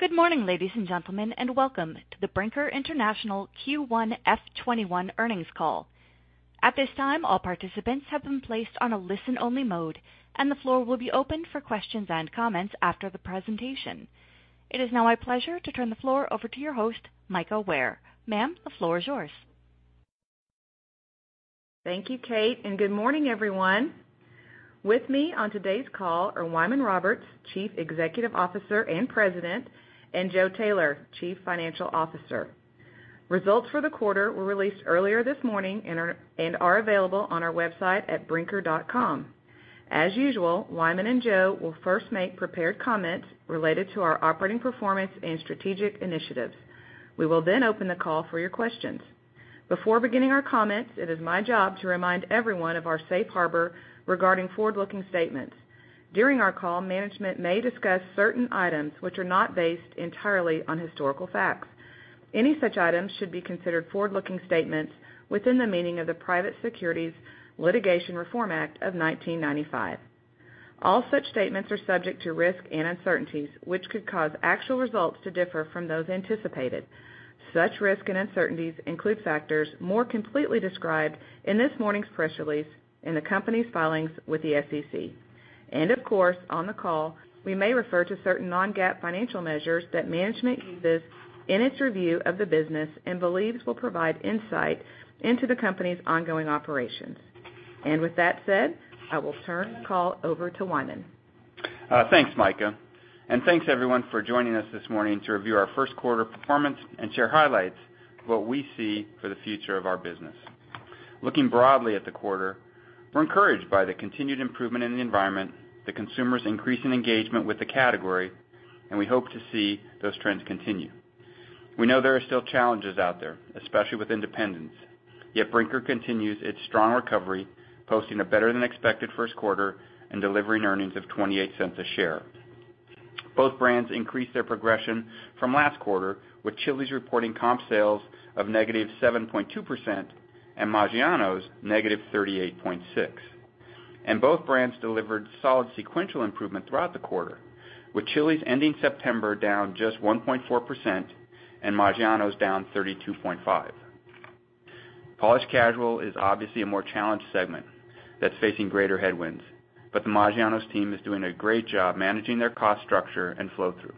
Good morning, ladies and gentlemen, and welcome to the Brinker International Q1 F 2021 earnings call. At this time, all participants have been placed on a listen-only mode, and the floor will be opened for questions and comments after the presentation. It is now my pleasure to turn the floor over to your host, Mika Ware. Ma'am, the floor is yours. Thank you, Kate. Good morning, everyone. With me on today's call are Wyman Roberts, Chief Executive Officer and President, and Joe Taylor, Chief Financial Officer. Results for the quarter were released earlier this morning and are available on our website at brinker.com. As usual, Wyman and Joe will first make prepared comments related to our operating performance and strategic initiatives. We will open the call for your questions. Before beginning our comments, it is my job to remind everyone of our safe harbor regarding forward-looking statements. During our call, management may discuss certain items which are not based entirely on historical facts. Any such items should be considered forward-looking statements within the meaning of the Private Securities Litigation Reform Act of 1995. All such statements are subject to risk and uncertainties, which could cause actual results to differ from those anticipated. Such risk and uncertainties include factors more completely described in this morning's press release in the company's filings with the SEC. Of course, on the call, we may refer to certain non-GAAP financial measures that management uses in its review of the business and believes will provide insight into the company's ongoing operations. With that said, I will turn the call over to Wyman. Thanks, Mika, and thanks, everyone, for joining us this morning to review our first quarter performance and share highlights of what we see for the future of our business. Looking broadly at the quarter, we're encouraged by the continued improvement in the environment, the consumers increasing engagement with the category, and we hope to see those trends continue. We know there are still challenges out there, especially with independents, yet Brinker continues its strong recovery, posting a better-than-expected first quarter and delivering earnings of $0.28 a share. Both brands increased their progression from last quarter, with Chili's reporting comp sales of -7.2% and Maggiano's -38.6%. Both brands delivered solid sequential improvement throughout the quarter, with Chili's ending September down just 1.4% and Maggiano's down 32.5%. Polished casual is obviously a more challenged segment that's facing greater headwinds. The Maggiano's team is doing a great job managing their cost structure and flow-through.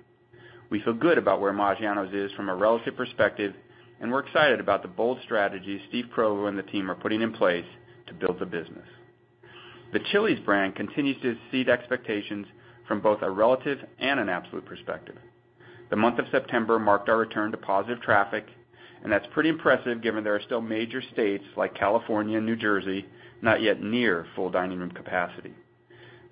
We feel good about where Maggiano's is from a relative perspective. We're excited about the bold strategies Steve Provost and the team are putting in place to build the business. The Chili's brand continues to exceed expectations from both a relative and an absolute perspective. The month of September marked our return to positive traffic. That's pretty impressive given there are still major states like California and New Jersey, not yet near full dining room capacity.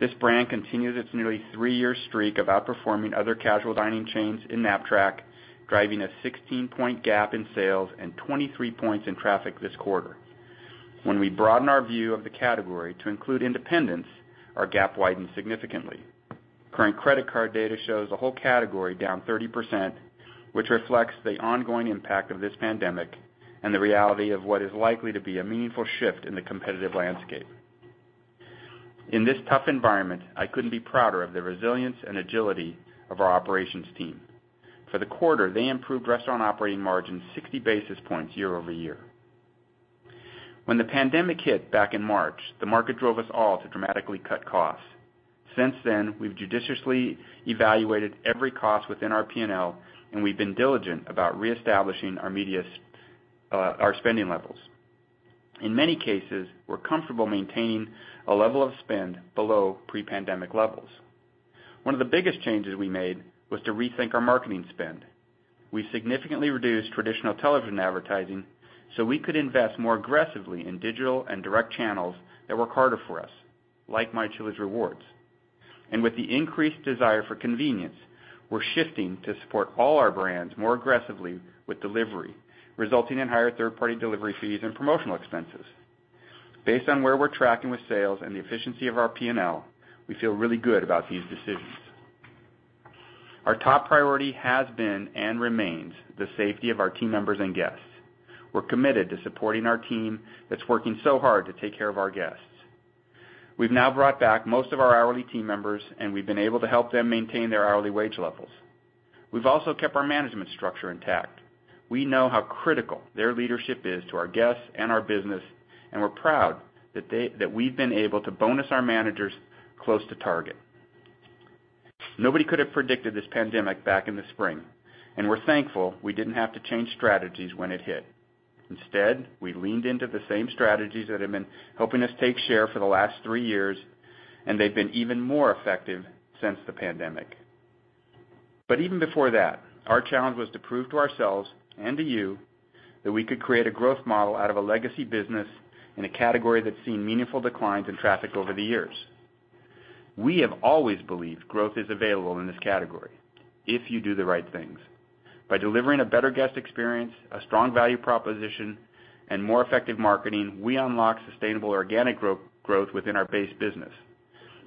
This brand continues its nearly three-year streak of outperforming other casual dining chains in KNAPP-TRACK, driving a 16-point gap in sales and 23 points in traffic this quarter. When we broaden our view of the category to include independents, our gap widened significantly. Current credit card data shows the whole category down 30%, which reflects the ongoing impact of this pandemic and the reality of what is likely to be a meaningful shift in the competitive landscape. In this tough environment, I couldn't be prouder of the resilience and agility of our operations team. For the quarter, they improved restaurant operating margin 60 basis points year-over-year. When the pandemic hit back in March, the market drove us all to dramatically cut costs. Since then, we've judiciously evaluated every cost within our P&L, and we've been diligent about reestablishing our spending levels. In many cases, we're comfortable maintaining a level of spend below pre-pandemic levels. One of the biggest changes we made was to rethink our marketing spend. We significantly reduced traditional television advertising so we could invest more aggressively in digital and direct channels that work harder for us, like My Chili's Rewards. With the increased desire for convenience, we're shifting to support all our brands more aggressively with delivery, resulting in higher third-party delivery fees and promotional expenses. Based on where we're tracking with sales and the efficiency of our P&L, we feel really good about these decisions. Our top priority has been and remains the safety of our team members and guests. We're committed to supporting our team that's working so hard to take care of our guests. We've now brought back most of our hourly team members, and we've been able to help them maintain their hourly wage levels. We've also kept our management structure intact. We know how critical their leadership is to our guests and our business, and we're proud that we've been able to bonus our managers close to target. Nobody could have predicted this pandemic back in the spring, and we're thankful we didn't have to change strategies when it hit. Instead, we leaned into the same strategies that have been helping us take share for the last three years, and they've been even more effective since the pandemic. Even before that, our challenge was to prove to ourselves and to you that we could create a growth model out of a legacy business in a category that seen meaningful declines in traffic over the years. We have always believed growth is available in this category if you do the right things. By delivering a better guest experience, a strong value proposition, and more effective marketing, we unlock sustainable organic growth within our base business,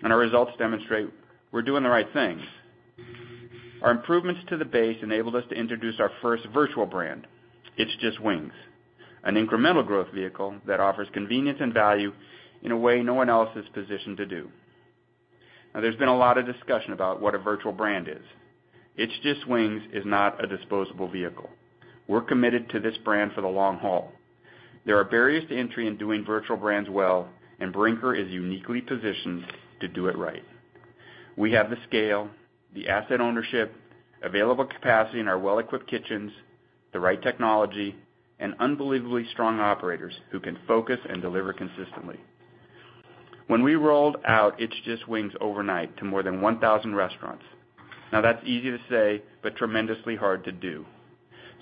and our results demonstrate we're doing the right thing. Our improvements to the base enabled us to introduce our first virtual brand, It's Just Wings. An incremental growth vehicle that offers convenience and value in a way no one else is positioned to do. Now, there's been a lot of discussion about what a virtual brand is. It's Just Wings is not a disposable vehicle. We're committed to this brand for the long haul. There are barriers to entry in doing virtual brands well, and Brinker is uniquely positioned to do it right. We have the scale, the asset ownership, available capacity in our well-equipped kitchens, the right technology, and unbelievably strong operators who can focus and deliver consistently. When we rolled out It's Just Wings overnight to more than 1,000 restaurants. That's easy to say, but tremendously hard to do.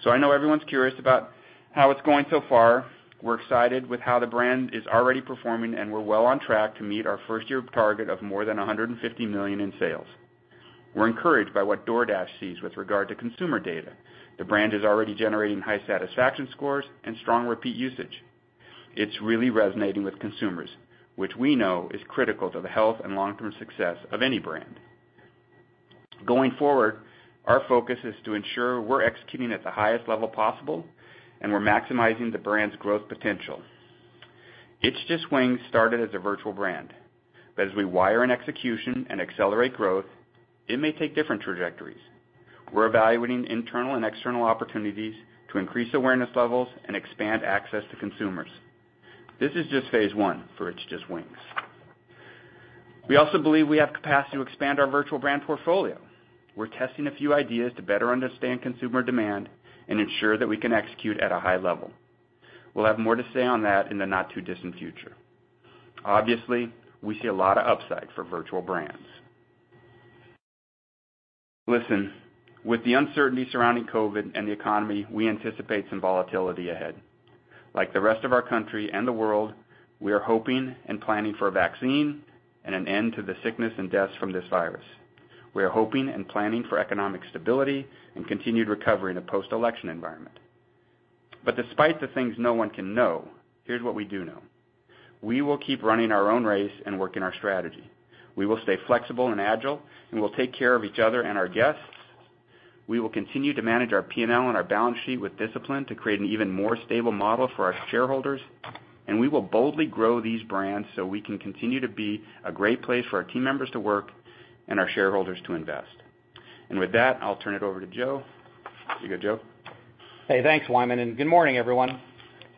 I know everyone's curious about how it's going so far. We're excited with how the brand is already performing, and we're well on track to meet our first year target of more than $150 million in sales. We're encouraged by what DoorDash sees with regard to consumer data. The brand is already generating high satisfaction scores and strong repeat usage. It's really resonating with consumers, which we know is critical to the health and long-term success of any brand. Going forward, our focus is to ensure we're executing at the highest level possible, and we're maximizing the brand's growth potential. It's Just Wings started as a virtual brand. As we wire in execution and accelerate growth, it may take different trajectories. We're evaluating internal and external opportunities to increase awareness levels and expand access to consumers. This is just phase one for It's Just Wings. We also believe we have capacity to expand our virtual brand portfolio. We're testing a few ideas to better understand consumer demand and ensure that we can execute at a high level. We'll have more to say on that in the not-too-distant future. Obviously, we see a lot of upside for virtual brands. Listen, with the uncertainty surrounding COVID and the economy, we anticipate some volatility ahead. Like the rest of our country and the world, we are hoping and planning for a vaccine and an end to the sickness and deaths from this virus. We are hoping and planning for economic stability and continued recovery in a post-election environment. Despite the things no one can know, here's what we do know. We will keep running our own race and working our strategy. We will stay flexible and agile, and we'll take care of each other and our guests. We will continue to manage our P&L and our balance sheet with discipline to create an even more stable model for our shareholders, and we will boldly grow these brands so we can continue to be a great place for our team members to work and our shareholders to invest. With that, I'll turn it over to Joe. You good, Joe? Hey, thanks, Wyman. Good morning, everyone.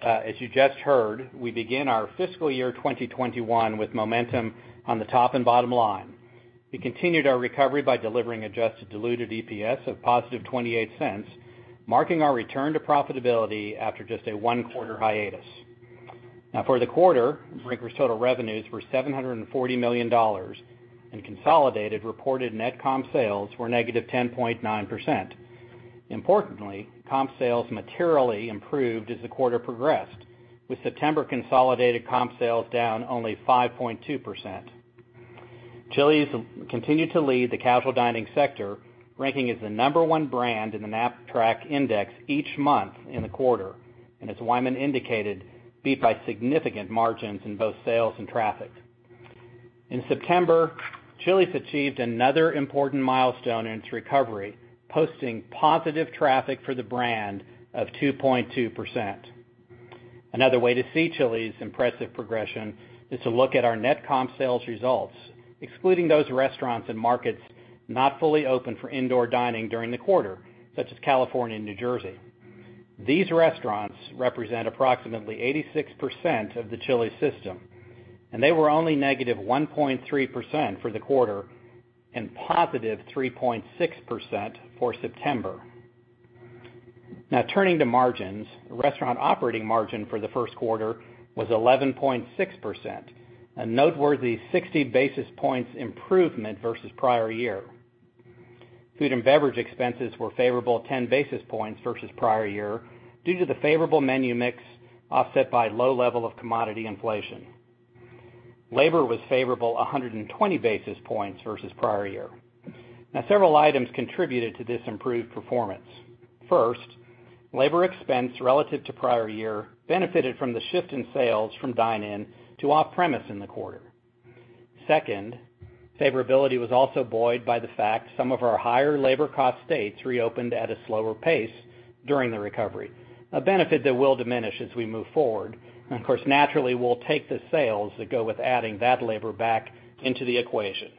As you just heard, we begin our fiscal year 2021 with momentum on the top and bottom line. We continued our recovery by delivering adjusted diluted EPS of positive $0.28, marking our return to profitability after just a one-quarter hiatus. Now, for the quarter, Brinker's total revenues were $740 million, consolidated reported net comp sales were -10.9%. Importantly, comp sales materially improved as the quarter progressed, with September consolidated comp sales down only 5.2%. Chili's continued to lead the casual dining sector, ranking as the number one brand in the KNAPP-TRACK index each month in the quarter. As Wyman indicated, beat by significant margins in both sales and traffic. In September, Chili's achieved another important milestone in its recovery, posting positive traffic for the brand of 2.2%. Another way to see Chili's impressive progression is to look at our net comp sales results, excluding those restaurants and markets not fully open for indoor dining during the quarter, such as California and New Jersey. These restaurants represent approximately 86% of the Chili's system. They were only -1.3% for the quarter and +3.6% for September. Turning to margins, restaurant operating margin for the first quarter was 11.6%, a noteworthy 60 basis points improvement versus prior year. Food and beverage expenses were favorable 10 basis points versus prior year due to the favorable menu mix offset by low level of commodity inflation. Labor was favorable 120 basis points versus prior year. Several items contributed to this improved performance. First, labor expense relative to prior year benefited from the shift in sales from dine-in to off-premise in the quarter. Second, favorability was also buoyed by the fact some of our higher labor cost states reopened at a slower pace during the recovery. A benefit that will diminish as we move forward, of course, naturally, we'll take the sales that go with adding that labor back into the equation.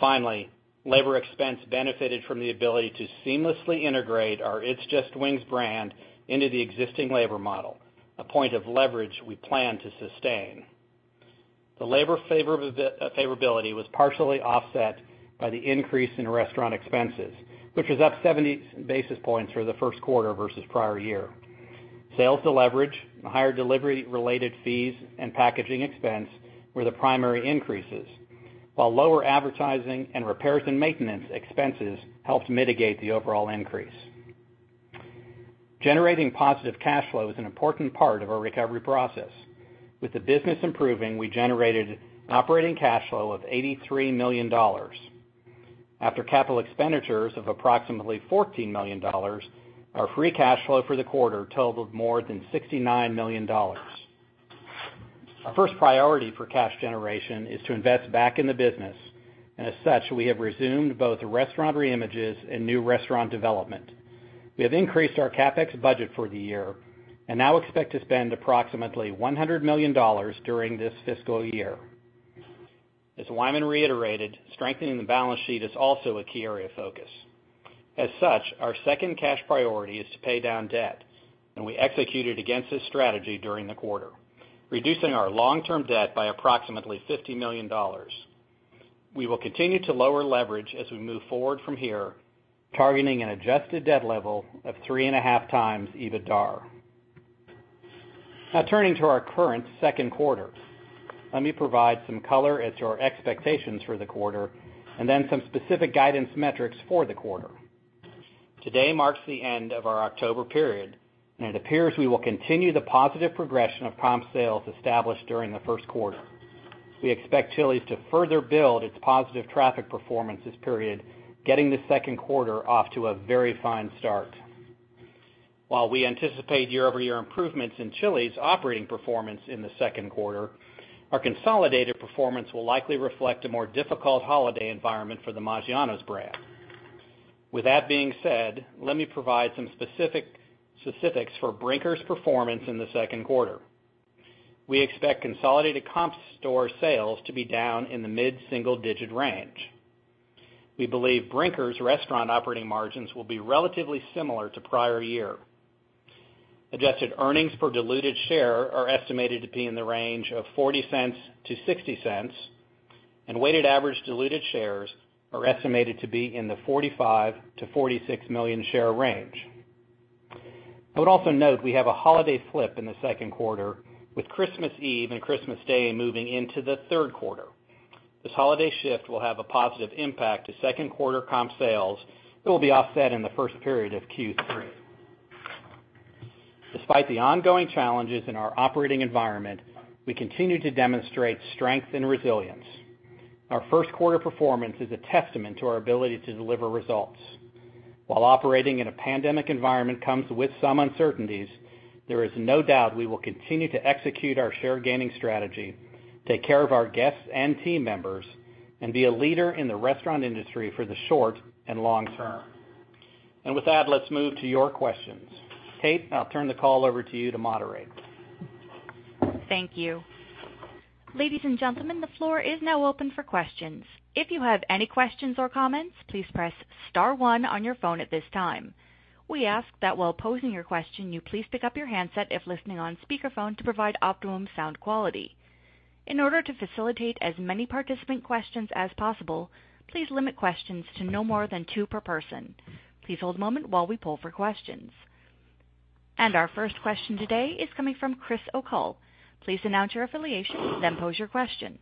Finally, labor expense benefited from the ability to seamlessly integrate our It's Just Wings brand into the existing labor model, a point of leverage we plan to sustain. The labor favorability was partially offset by the increase in restaurant expenses, which was up 70 basis points for the first quarter versus prior year. Sales deleverage, higher delivery related fees, and packaging expense were the primary increases, while lower advertising and repairs and maintenance expenses helped mitigate the overall increase. Generating positive cash flow is an important part of our recovery process. With the business improving, we generated an operating cash flow of $83 million. After capital expenditures of approximately $14 million, our free cash flow for the quarter totaled more than $69 million. Our first priority for cash generation is to invest back in the business, and as such, we have resumed both restaurant re-images and new restaurant development. We have increased our CapEx budget for the year and now expect to spend approximately $100 million during this fiscal year. As Wyman reiterated, strengthening the balance sheet is also a key area of focus. As such, our second cash priority is to pay down debt, and we executed against this strategy during the quarter, reducing our long-term debt by approximately $50 million. We will continue to lower leverage as we move forward from here, targeting an adjusted debt level of 3.5x EBITDAR. Now, turning to our current second quarter. Let me provide some color as to our expectations for the quarter, and then some specific guidance metrics for the quarter. Today marks the end of our October period, and it appears we will continue the positive progression of comp sales established during the first quarter. We expect Chili's to further build its positive traffic performance this period, getting the second quarter off to a very fine start. While we anticipate year-over-year improvements in Chili's operating performance in the second quarter, our consolidated performance will likely reflect a more difficult holiday environment for the Maggiano's brand. With that being said, let me provide some specifics for Brinker's performance in the second quarter. We expect consolidated comp store sales to be down in the mid-single digit range. We believe Brinker's restaurant operating margins will be relatively similar to prior year. Adjusted earnings per diluted share are estimated to be in the range of $0.40-$0.60, and weighted average diluted shares are estimated to be in the 45 million-46 million share range. I would also note we have a holiday flip in the second quarter, with Christmas Eve and Christmas Day moving into the third quarter. This holiday shift will have a positive impact to second quarter comp sales that will be offset in the first period of Q3. Despite the ongoing challenges in our operating environment, we continue to demonstrate strength and resilience. Our first quarter performance is a testament to our ability to deliver results. While operating in a pandemic environment comes with some uncertainties, there is no doubt we will continue to execute our share gaining strategy, take care of our guests and team members, and be a leader in the restaurant industry for the short and long term. With that, let's move to your questions. Kate, I'll turn the call over to you to moderate. Thank you. Ladies and gentlemen, the floor is now open for questions. If you have any questions or comments, please press star one on your phone at this time. We ask that while posing your question, you please pick up your handset if listening on speakerphone to provide optimum sound quality. In order to facilitate as many participant questions as possible, please limit questions to no more than two per person. Please hold a moment while we poll for questions. Our first question today is coming from Chris O'Cull. Please announce your affiliation, then pose your question.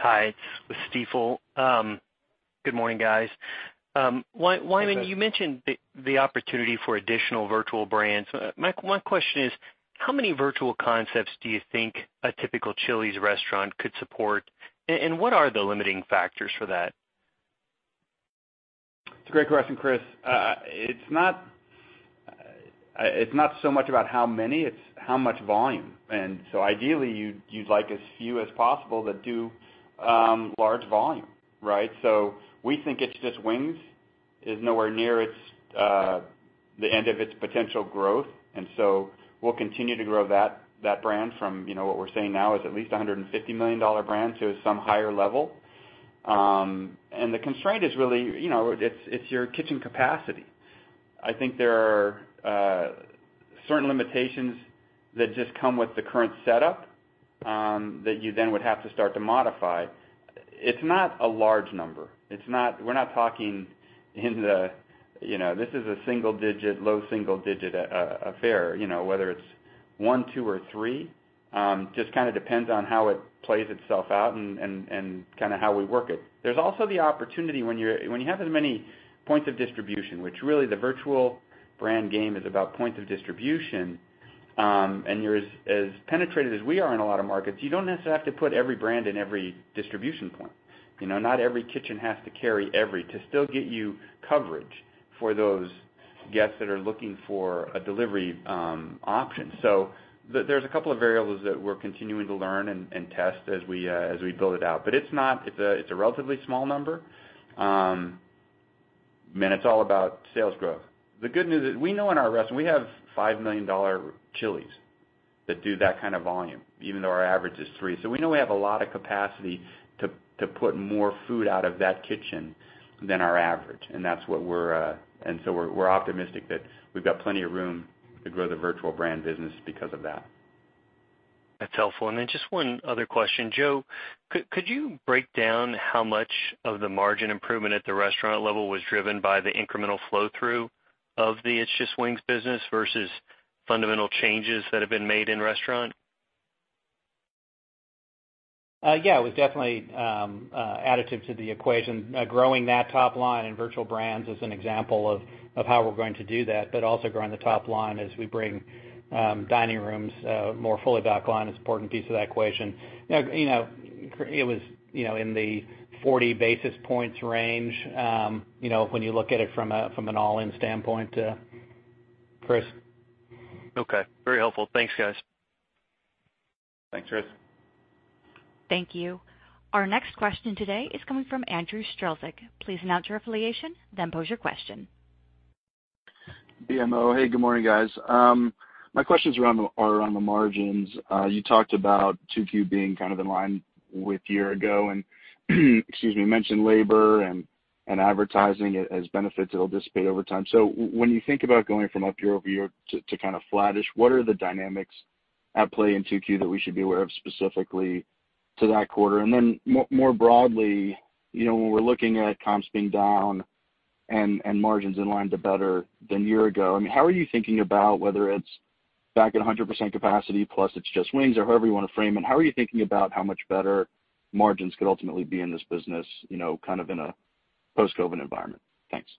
Hi, it's with Stifel. Good morning, guys. Wyman, you mentioned the opportunity for additional virtual brands. My question is, how many virtual concepts do you think a typical Chili's restaurant could support, and what are the limiting factors for that? It's a great question, Chris. It's not so much about how many, it's how much volume. Ideally, you'd like as few as possible that do large volume, right? We think It's Just Wings is nowhere near the end of its potential growth, and so we'll continue to grow that brand from what we're saying now is at least $150 million brand to some higher level. The constraint is really, it's your kitchen capacity. I think there are certain limitations that just come with the current setup, that you then would have to start to modify. It's not a large number. We're not talking in the, this is a low single digit affair. Whether it's one, two, or three, just depends on how it plays itself out and how we work it. There's also the opportunity when you have as many points of distribution, which really the virtual brand game is about points of distribution, and you're as penetrated as we are in a lot of markets, you don't necessarily have to put every brand in every distribution point. Not every kitchen has to carry every to still get you coverage for those guests that are looking for a delivery option. There's a couple of variables that we're continuing to learn and test as we build it out. It's a relatively small number. Man, it's all about sales growth. The good news is we know in our restaurant, we have $5 million Chili's that do that kind of volume, even though our average is three. We know we have a lot of capacity to put more food out of that kitchen than our average. We're optimistic that we've got plenty of room to grow the virtual brand business because of that. That's helpful. Just one other question. Joe, could you break down how much of the margin improvement at the restaurant level was driven by the incremental flow-through of the It's Just Wings business versus fundamental changes that have been made in restaurant? Yeah, it was definitely additive to the equation. Growing that top line in virtual brands is an example of how we're going to do that, also growing the top line as we bring dining rooms more fully back online is an important piece of that equation. It was in the 40 basis points range, when you look at it from an all-in standpoint. Chris. Okay, very helpful. Thanks, guys. Thanks, Chris. Thank you. Our next question today is coming from Andrew Strelzik. Please announce your affiliation, then pose your question. BMO. Hey, good morning, guys. My questions are around the margins. You talked about 2Q being kind of in line with year-ago and excuse me, mentioned labor and advertising as benefits that'll dissipate over time. When you think about going from up year-over-year to kind of flattish, what are the dynamics at play in 2Q that we should be aware of specifically to that quarter? More broadly, when we're looking at comps being down and margins in line to better than year-ago, how are you thinking about whether it's back at 100% capacity, plus It's Just Wings or however you want to frame it, how are you thinking about how much better margins could ultimately be in this business, kind of in a post-COVID environment? Thanks.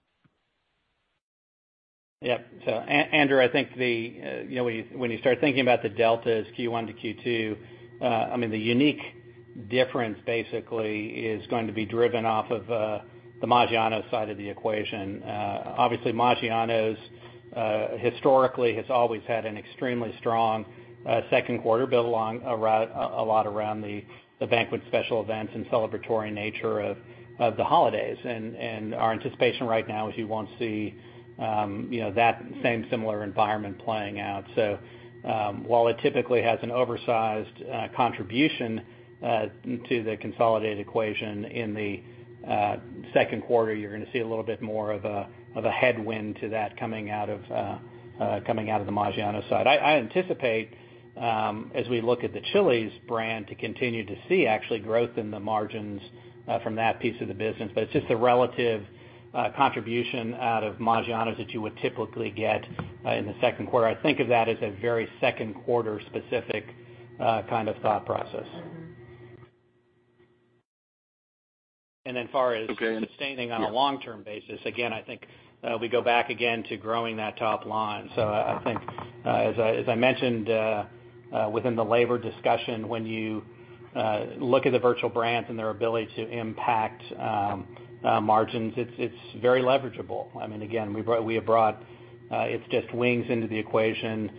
Yeah. Andrew, I think when you start thinking about the delta as Q1 to Q2, the unique difference basically is going to be driven off of the Maggiano's side of the equation. Obviously, Maggiano's historically has always had an extremely strong second quarter built a lot around the banquet special events and celebratory nature of the holidays. Our anticipation right now is you won't see that same similar environment playing out. While it typically has an oversized contribution to the consolidated equation in the second quarter, you're going to see a little bit more of a headwind to that coming out of the Maggiano's side. I anticipate, as we look at the Chili's brand, to continue to see actually growth in the margins from that piece of the business. It's just the relative contribution out of Maggiano's that you would typically get in the second quarter. I think of that as a very second-quarter specific kind of thought process. Okay. As far as sustaining on a long-term basis, again, I think we go back again to growing that top line. I think, as I mentioned within the labor discussion, when you look at the virtual brands and their ability to impact margins, it's very leverageable. Again, we have brought It's Just Wings into the equation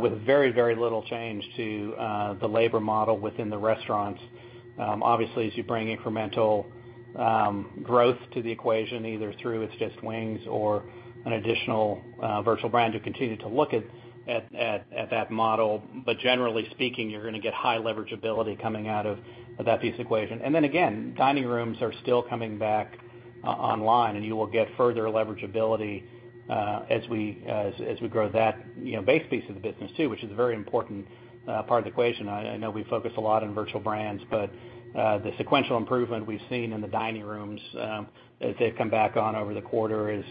with very little change to the labor model within the restaurants. Obviously, as you bring incremental growth to the equation, either through It's Just Wings or an additional virtual brand, you continue to look at that model. Generally speaking, you're going to get high leverageability coming out of that piece of equation. Again, dining rooms are still coming back online, and you will get further leverageability as we grow that base piece of the business too, which is a very important part of the equation. I know we focus a lot on virtual brands, the sequential improvement we've seen in the dining rooms as they've come back on over the quarter is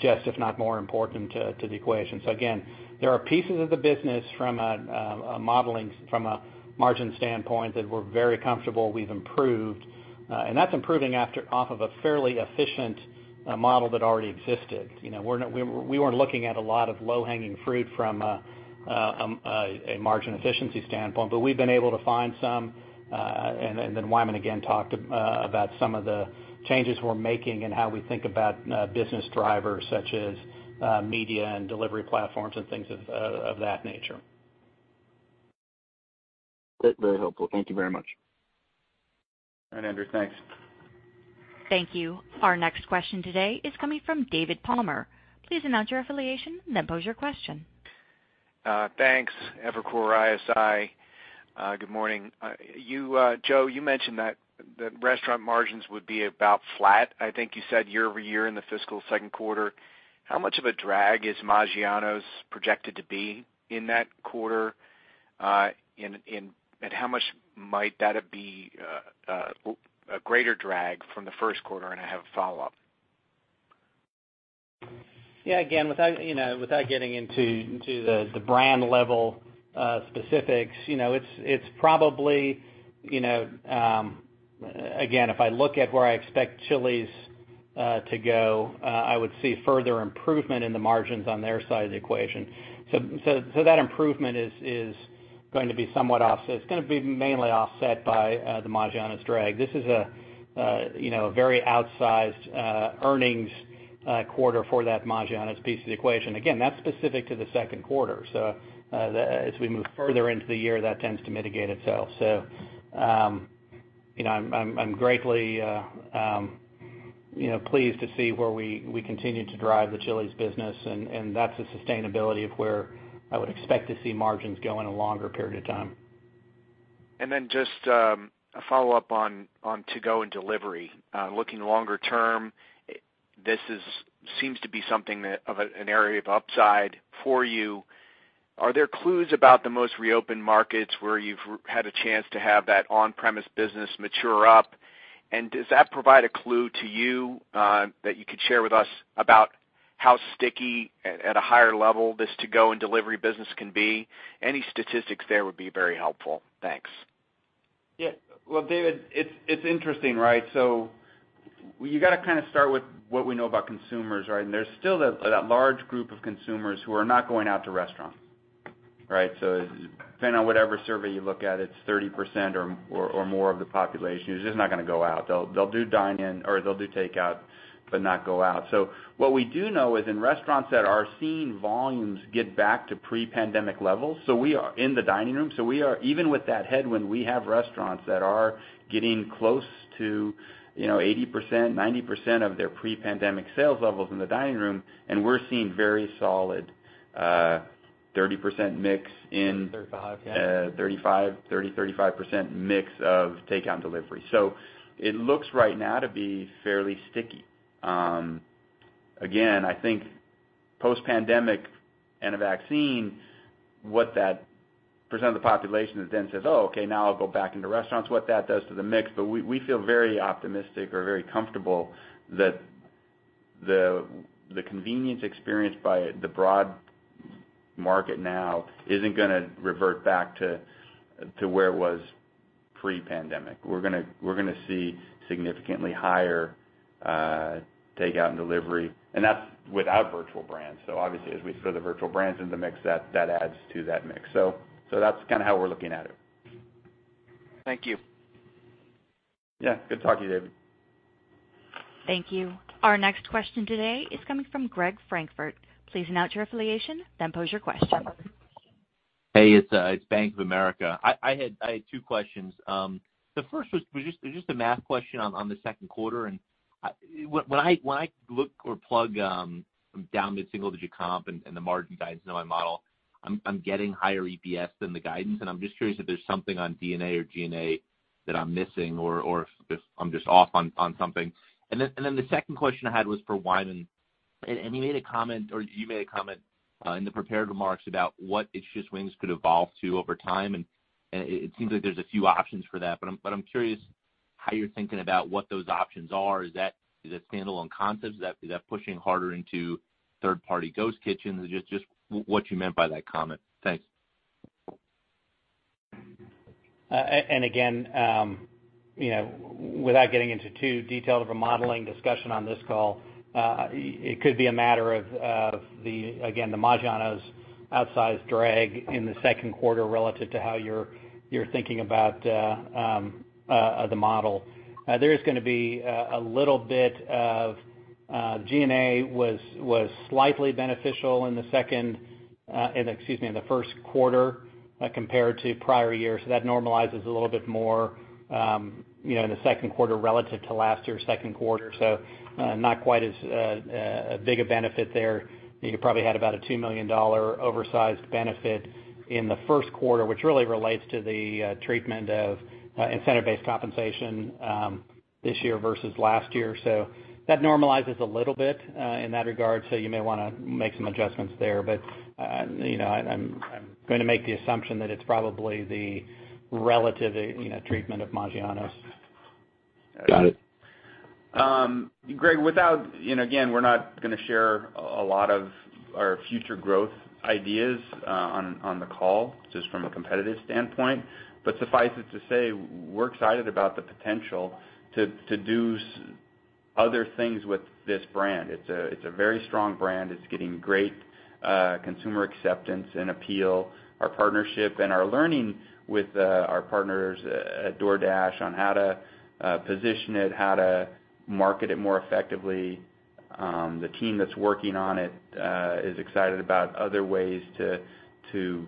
just if not more important to the equation. Again, there are pieces of the business from a margin standpoint that we're very comfortable we've improved. That's improving off of a fairly efficient model that already existed. We weren't looking at a lot of low-hanging fruit from a margin efficiency standpoint, but we've been able to find some, and then Wyman again talked about some of the changes we're making and how we think about business drivers such as media and delivery platforms and things of that nature. Very helpful. Thank you very much. All right, Andrew. Thanks. Thank you. Our next question today is coming from David Palmer. Please announce your affiliation, then pose your question. Thanks. Evercore ISI. Good morning. Joe, you mentioned that the restaurant margins would be about flat, I think you said, year-over-year in the fiscal second quarter. How much of a drag is Maggiano's projected to be in that quarter? How much might that be a greater drag from the first quarter? I have a follow-up. Again, without getting into the brand level specifics, it's probably, again, if I look at where I expect Chili's to go, I would see further improvement in the margins on their side of the equation. That improvement is going to be mainly offset by the Maggiano's drag. This is a very outsized earnings quarter for that Maggiano's piece of the equation. Again, that's specific to the second quarter. As we move further into the year, that tends to mitigate itself. I'm greatly pleased to see where we continue to drive the Chili's business, and that's the sustainability of where I would expect to see margins go in a longer period of time. Then just a follow-up on to-go and delivery. Looking longer term, this seems to be something of an area of upside for you. Are there clues about the most reopened markets where you've had a chance to have that on-premise business mature up? Does that provide a clue to you that you could share with us about how sticky at a higher level this to-go and delivery business can be? Any statistics there would be very helpful. Thanks. Yeah. Well, David, it's interesting, right? You got to kind of start with what we know about consumers, right? There's still that large group of consumers who are not going out to restaurants. Depending on whatever survey you look at, it's 30% or more of the population who's just not going to go out. They'll do dine-in, or they'll do takeout, but not go out. What we do know is in restaurants that are seeing volumes get back to pre-pandemic levels, in the dining room. Even with that headwind, we have restaurants that are getting close to 80%, 90% of their pre-pandemic sales levels in the dining room, and we're seeing very solid 30% mix in. 35%, yeah. 30%, 35% mix of takeout and delivery. It looks right now to be fairly sticky. Again, I think post-pandemic and a vaccine, what that percent of the population that then says, "Oh, okay, now I'll go back into restaurants," what that does to the mix. We feel very optimistic or very comfortable that the convenience experienced by the broad market now isn't going to revert back to where it was pre-pandemic. We're going to see significantly higher takeout and delivery, and that's without virtual brands. Obviously as we throw the virtual brands into the mix, that adds to that mix. That's kind of how we're looking at it. Thank you. Yeah. Good talking to you, David. Thank you. Our next question today is coming from Greg Francfort. Please announce your affiliation, then pose your question. Hey, it's Bank of America. I had two questions. The first was just a math question on the second quarter. When I look or plug down the single-digit comp and the margin guides into my model, I'm getting higher EPS than the guidance, and I'm just curious if there's something on D&A or G&A that I'm missing or if I'm just off on something. Then, the second question I had was for Wyman. He made a comment, or you made a comment in the prepared remarks about what It's Just Wings could evolve to over time, and it seems like there's a few options for that. I'm curious how you're thinking about what those options are. Is that a standalone concept? Is that pushing harder into third-party ghost kitchens? Just what you meant by that comment. Thanks. Again, without getting into too detailed of a modeling discussion on this call, it could be a matter of, again, the Maggiano's outsized drag in the second quarter relative to how you're thinking about the model. There is going to be a little bit of G&A was slightly beneficial in the first quarter compared to prior years. That normalizes a little bit more in the second quarter relative to last year's second quarter. Not quite as big a benefit there. You probably had about a $2 million oversized benefit in the first quarter, which really relates to the treatment of incentive-based compensation this year versus last year. That normalizes a little bit in that regard. You may want to make some adjustments there. I'm going to make the assumption that it's probably the relative treatment of Maggiano's. Got it. Greg, again, we're not going to share a lot of our future growth ideas on the call, just from a competitive standpoint. Suffice it to say, we're excited about the potential to do other things with this brand. It's a very strong brand. It's getting great consumer acceptance and appeal. Our partnership and our learning with our partners at DoorDash on how to position it, how to market it more effectively. The team that's working on it is excited about other ways to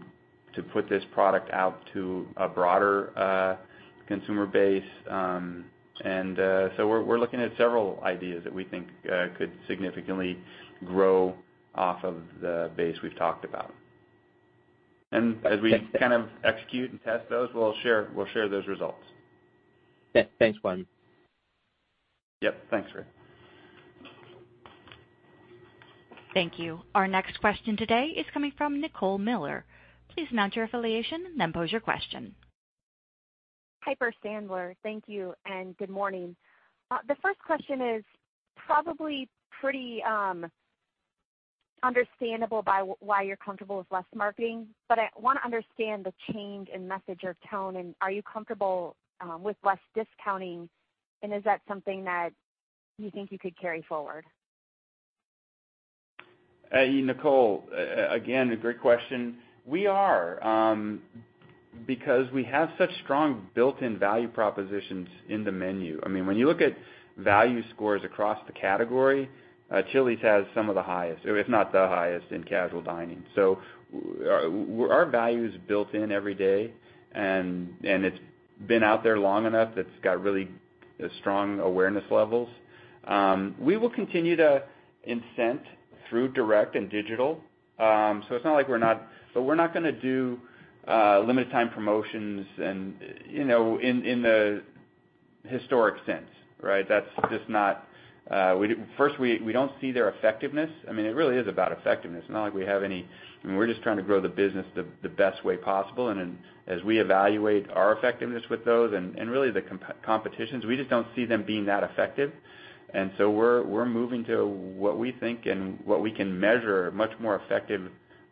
put this product out to a broader consumer base. We're looking at several ideas that we think could significantly grow off of the base we've talked about. As we kind of execute and test those, we'll share those results. Yeah. Thanks, Wyman. Yep. Thanks, Greg. Thank you. Our next question today is coming from Nicole Miller. Please announce your affiliation, then pose your question. Piper Sandler. Thank you, and good morning. The first question is probably pretty understandable by why you're comfortable with less marketing, but I want to understand the change in message or tone, and are you comfortable with less discounting, and is that something that you think you could carry forward? Nicole, again, a great question. We are because we have such strong built-in value propositions in the menu. When you look at value scores across the category, Chili's has some of the highest, if not the highest, in casual dining. Our value is built in every day, and it's been out there long enough that it's got really strong awareness levels. We will continue to incent through direct and digital. We're not going to do limited time promotions in the historic sense, right? First, we don't see their effectiveness. It really is about effectiveness. We're just trying to grow the business the best way possible, and as we evaluate our effectiveness with those and really the competition's, we just don't see them being that effective. We're moving to what we think and what we can measure much more effective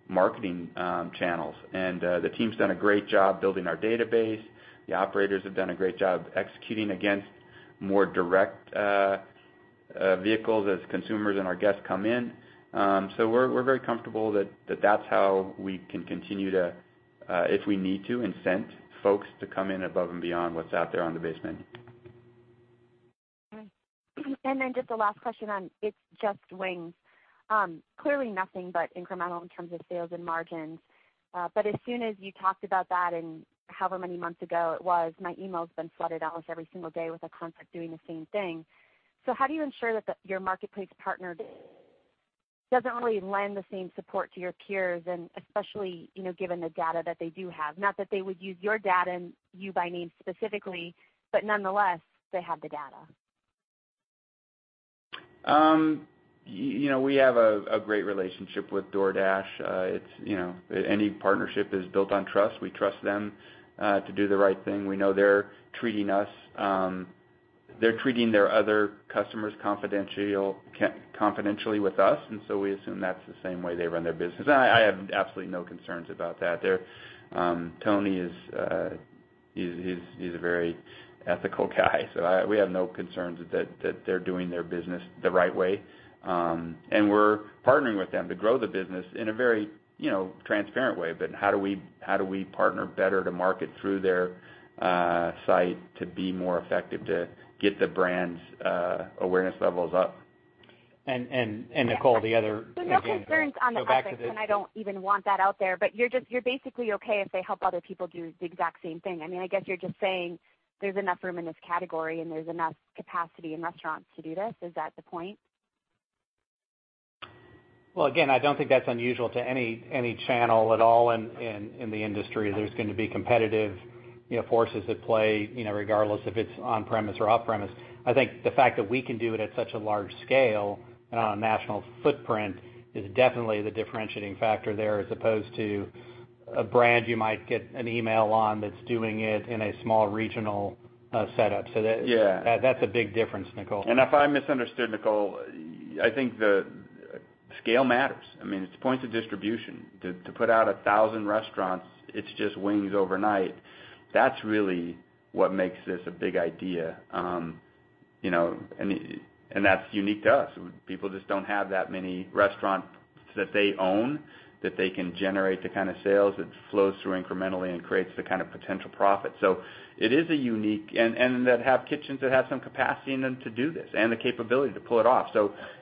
marketing channels. The team's done a great job building our database. The operators have done a great job executing against more direct vehicles as consumers and our guests come in. We're very comfortable that that's how we can continue to, if we need to, incent folks to come in above and beyond what's out there on the base menu. Okay. Just the last question on It's Just Wings. Clearly nothing but incremental in terms of sales and margins. As soon as you talked about that, and however many months ago it was, my email's been flooded almost every single day with a concept doing the same thing. How do you ensure that your marketplace partner doesn't only lend the same support to your peers, and especially, given the data that they do have? Not that they would use your data and you by name specifically, but nonetheless, they have the data. We have a great relationship with DoorDash. Any partnership is built on trust. We trust them, to do the right thing. We know they're treating their other customers confidentially with us, and so we assume that's the same way they run their business. I have absolutely no concerns about that. Tony is a very ethical guy, so we have no concerns that they're doing their business the right way. We're partnering with them to grow the business in a very transparent way. How do we partner better to market through their site to be more effective to get the brand's awareness levels up? Nicole. There's no concerns on the ethics, and I don't even want that out there. You're basically okay if they help other people do the exact same thing. I guess you're just saying there's enough room in this category and there's enough capacity in restaurants to do this. Is that the point? Well, again, I don't think that's unusual to any channel at all in the industry. There's going to be competitive forces at play regardless if it's on-premise or off-premise. I think the fact that we can do it at such a large scale on a national footprint is definitely the differentiating factor there, as opposed to a brand you might get an email on that's doing it in a small regional setup. Yeah. That's a big difference, Nicole. If I misunderstood, Nicole, I think the scale matters. It's points of distribution. To put out 1,000 restaurants, It's Just Wings overnight, that's really what makes this a big idea. That's unique to us. People just don't have that many restaurants that they own, that they can generate the kind of sales that flows through incrementally and creates the kind of potential profit. It is unique, and that have kitchens that have some capacity in them to do this and the capability to pull it off.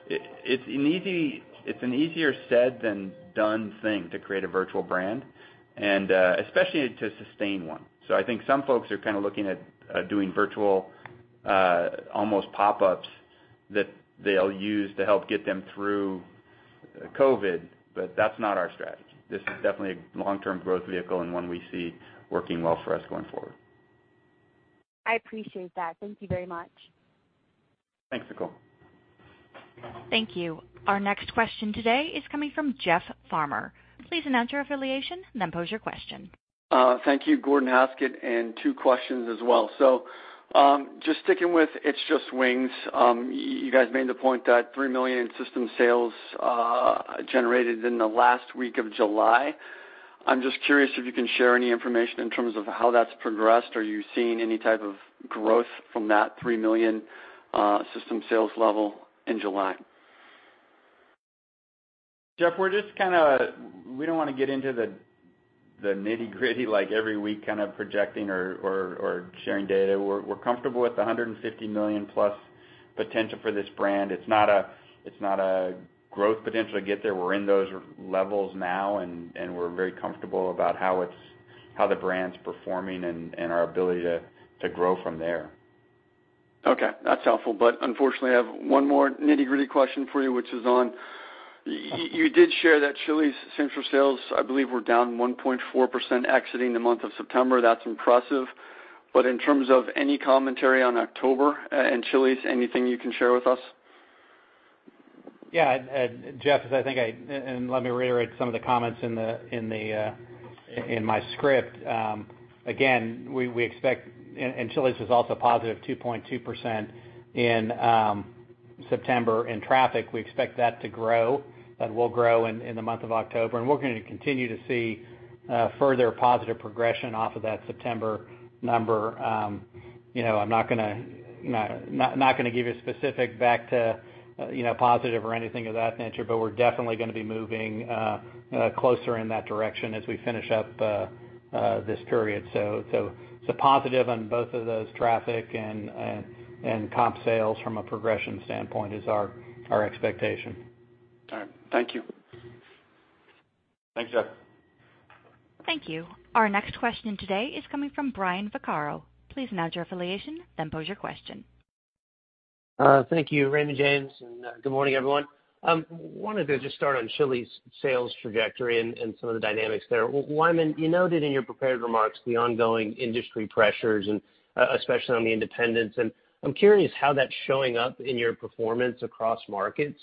It's an easier said than done thing to create a virtual brand and especially to sustain one. I think some folks are looking at doing virtual almost pop-ups that they'll use to help get them through COVID, but that's not our strategy. This is definitely a long-term growth vehicle and one we see working well for us going forward. I appreciate that. Thank you very much. Thanks, Nicole. Thank you. Our next question today is coming from Jeff Farmer. Please announce your affiliation and then pose your question. Thank you. Gordon Haskett, two questions as well. Just sticking with It's Just Wings. You guys made the point that $3 million system sales generated in the last week of July. I'm just curious if you can share any information in terms of how that's progressed. Are you seeing any type of growth from that $3 million system sales level in July? Jeff, we don't want to get into the nitty-gritty, like every week kind of projecting or sharing data. We're comfortable with the $150+ million potential for this brand. It's not a growth potential to get there. We're in those levels now, and we're very comfortable about how the brand's performing and our ability to grow from there. Okay. That's helpful. Unfortunately, I have one more nitty-gritty question for you. You did share that Chili's same-store sales, I believe, were down 1.4% exiting the month of September. That's impressive. In terms of any commentary on October and Chili's, anything you can share with us? Yeah. Jeff, let me reiterate some of the comments in my script. Again, Chili's was also +2.2% in September in traffic. We expect that to grow. That will grow in the month of October, we're going to continue to see further positive progression off of that September number. I'm not going to give you a specific back to positive or anything of that nature, we're definitely going to be moving closer in that direction as we finish up this period. Positive on both of those, traffic and comp sales from a progression standpoint is our expectation. All right. Thank you. Thanks, Jeff. Thank you. Our next question today is coming from Brian Vaccaro. Please announce your affiliation, then pose your question. Thank you, Raymond James, and good morning, everyone. Wanted to just start on Chili's sales trajectory and some of the dynamics there. Wyman, you noted in your prepared remarks the ongoing industry pressures and especially on the independents, and I'm curious how that's showing up in your performance across markets.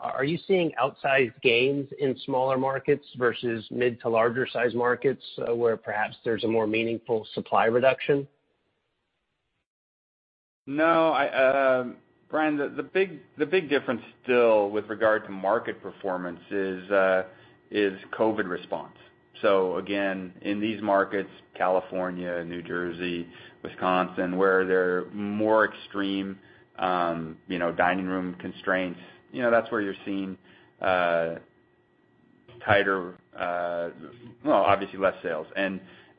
Are you seeing outsized gains in smaller markets versus mid to larger size markets, where perhaps there's a more meaningful supply reduction? No. Brian, the big difference still with regard to market performance is COVID response. Again, in these markets, California, New Jersey, Wisconsin, where there are more extreme dining room constraints, that's where you're seeing tighter, obviously less sales.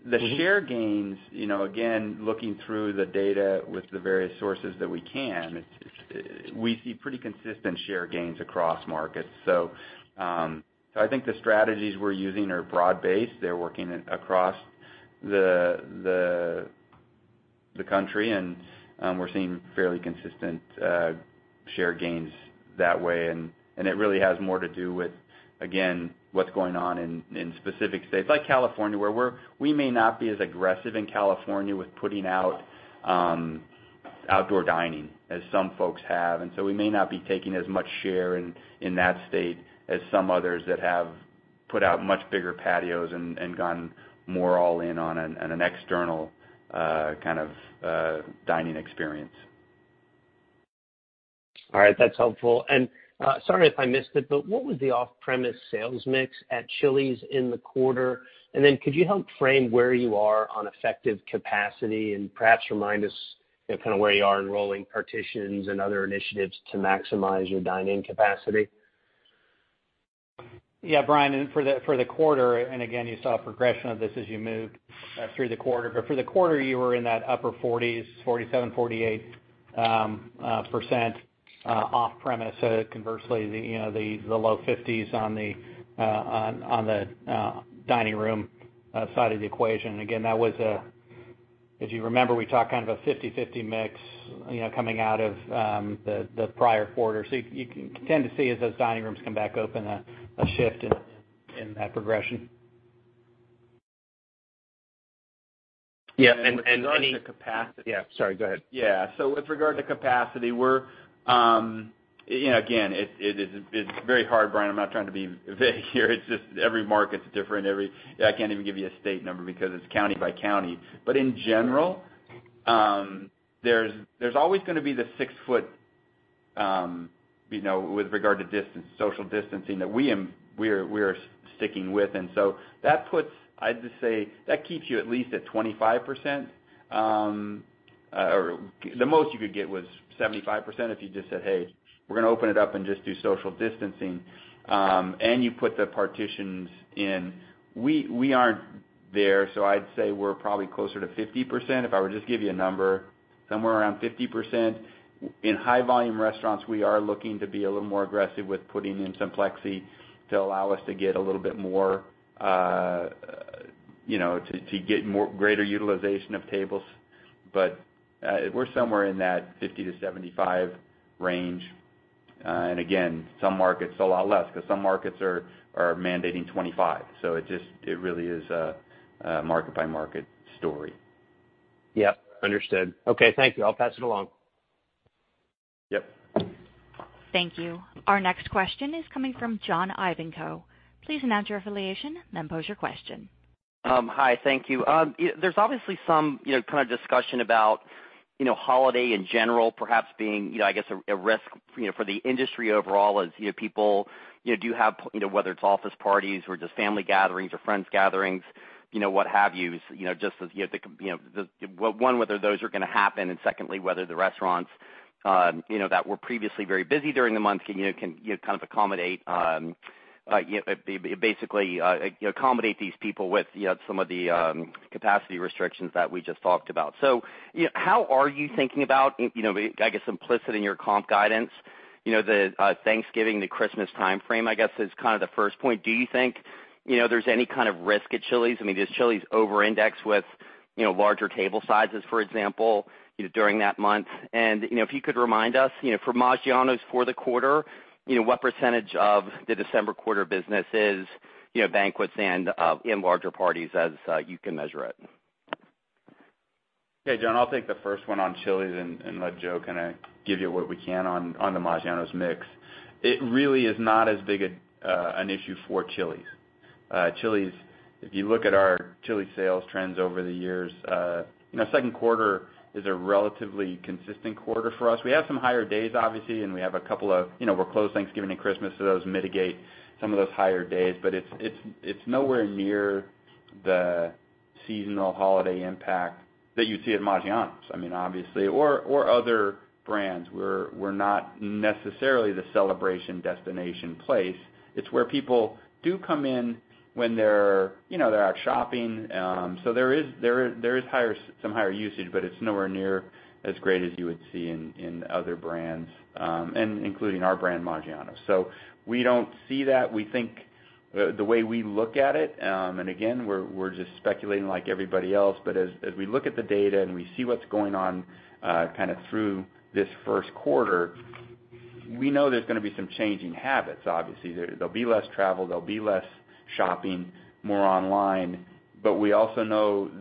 The share gains, again, looking through the data with the various sources that we can, we see pretty consistent share gains across markets. I think the strategies we're using are broad-based. They're working across the country, and we're seeing fairly consistent share gains that way, and it really has more to do with, again, what's going on in specific states. Like California, where we may not be as aggressive in California with putting out outdoor dining as some folks have, and so we may not be taking as much share in that state as some others that have put out much bigger patios and gone more all in on an external kind of dining experience. All right. That's helpful. Sorry if I missed it, but what was the off-premise sales mix at Chili's in the quarter? Could you help frame where you are on effective capacity and perhaps remind us where you are in rolling partitions and other initiatives to maximize your dine-in capacity? Yeah, Brian, for the quarter, again, you saw a progression of this as you moved through the quarter, for the quarter, you were in that upper 40s%, 47%, 48%, off premise. Conversely, the low 50s% on the dining room side of the equation. That was, as you remember, we talked kind of a 50/50 mix coming out of the prior quarter. You can tend to see as those dining rooms come back open, a shift in that progression. Yeah. With regard to capacity. Yeah, sorry. Go ahead. With regard to capacity, again, it's very hard, Brian. I'm not trying to be vague here it's just every market's different. I can't even give you a state number because it's county by county. In general, there's always going to be the six foot, with regard to social distancing, that we are sticking with. That puts, I'd just say, that keeps you at least at 25%, or the most you could get was 75%, if you just said, "Hey, we're going to open it up and just do social distancing." You put the partitions in. We aren't there, so I'd say we're probably closer to 50%, if I were just give you a number, somewhere around 50%. In high volume restaurants, we are looking to be a little more aggressive with putting in some plexi to allow us to get a little bit more, to get greater utilization of tables. We're somewhere in that 50%-75% range. Again, some markets, a lot less because some markets are mandating 25%. It really is a market by market story. Yep. Understood. Okay. Thank you. I'll pass it along. Yep. Thank you. Our next question is coming from John Ivankoe. Please announce your affiliation, then pose your question. Hi. Thank you. There's obviously some kind of discussion about holiday in general, perhaps being, I guess, a risk for the industry overall as people do have, whether it's office parties or just family gatherings or friends gatherings, what have you. One, whether those are going to happen, and secondly, whether the restaurants that were previously very busy during the month, can you kind of accommodate these people with some of the capacity restrictions that we just talked about. How are you thinking about, I guess, implicit in your comp guidance, the Thanksgiving, the Christmas timeframe, I guess, is kind of the first point. Do you think there's any kind of risk at Chili's? I mean, does Chili's over-index with larger table sizes, for example, during that month? If you could remind us, for Maggiano's for the quarter, what percentage of the December quarter business is banquets and in larger parties as you can measure it? Okay, John, I'll take the first one on Chili's and let Joe give you what we can on the Maggiano's mix. It really is not as big an issue for Chili's. Chili's, if you look at our Chili's sales trends over the years, second quarter is a relatively consistent quarter for us. We have some higher days, obviously, and we're closed Thanksgiving and Christmas, so those mitigate some of those higher days. It's nowhere near the seasonal holiday impact that you see at Maggiano's, obviously, or other brands. We're not necessarily the celebration destination place. It's where people do come in when they're out shopping. There is some higher usage, but it's nowhere near as great as you would see in other brands, and including our brand, Maggiano's. We don't see that. The way we look at it, and again, we're just speculating like everybody else, but as we look at the data and we see what's going on through this first quarter, we know there's going to be some changing habits, obviously. There'll be less travel, there'll be less shopping, more online. We also know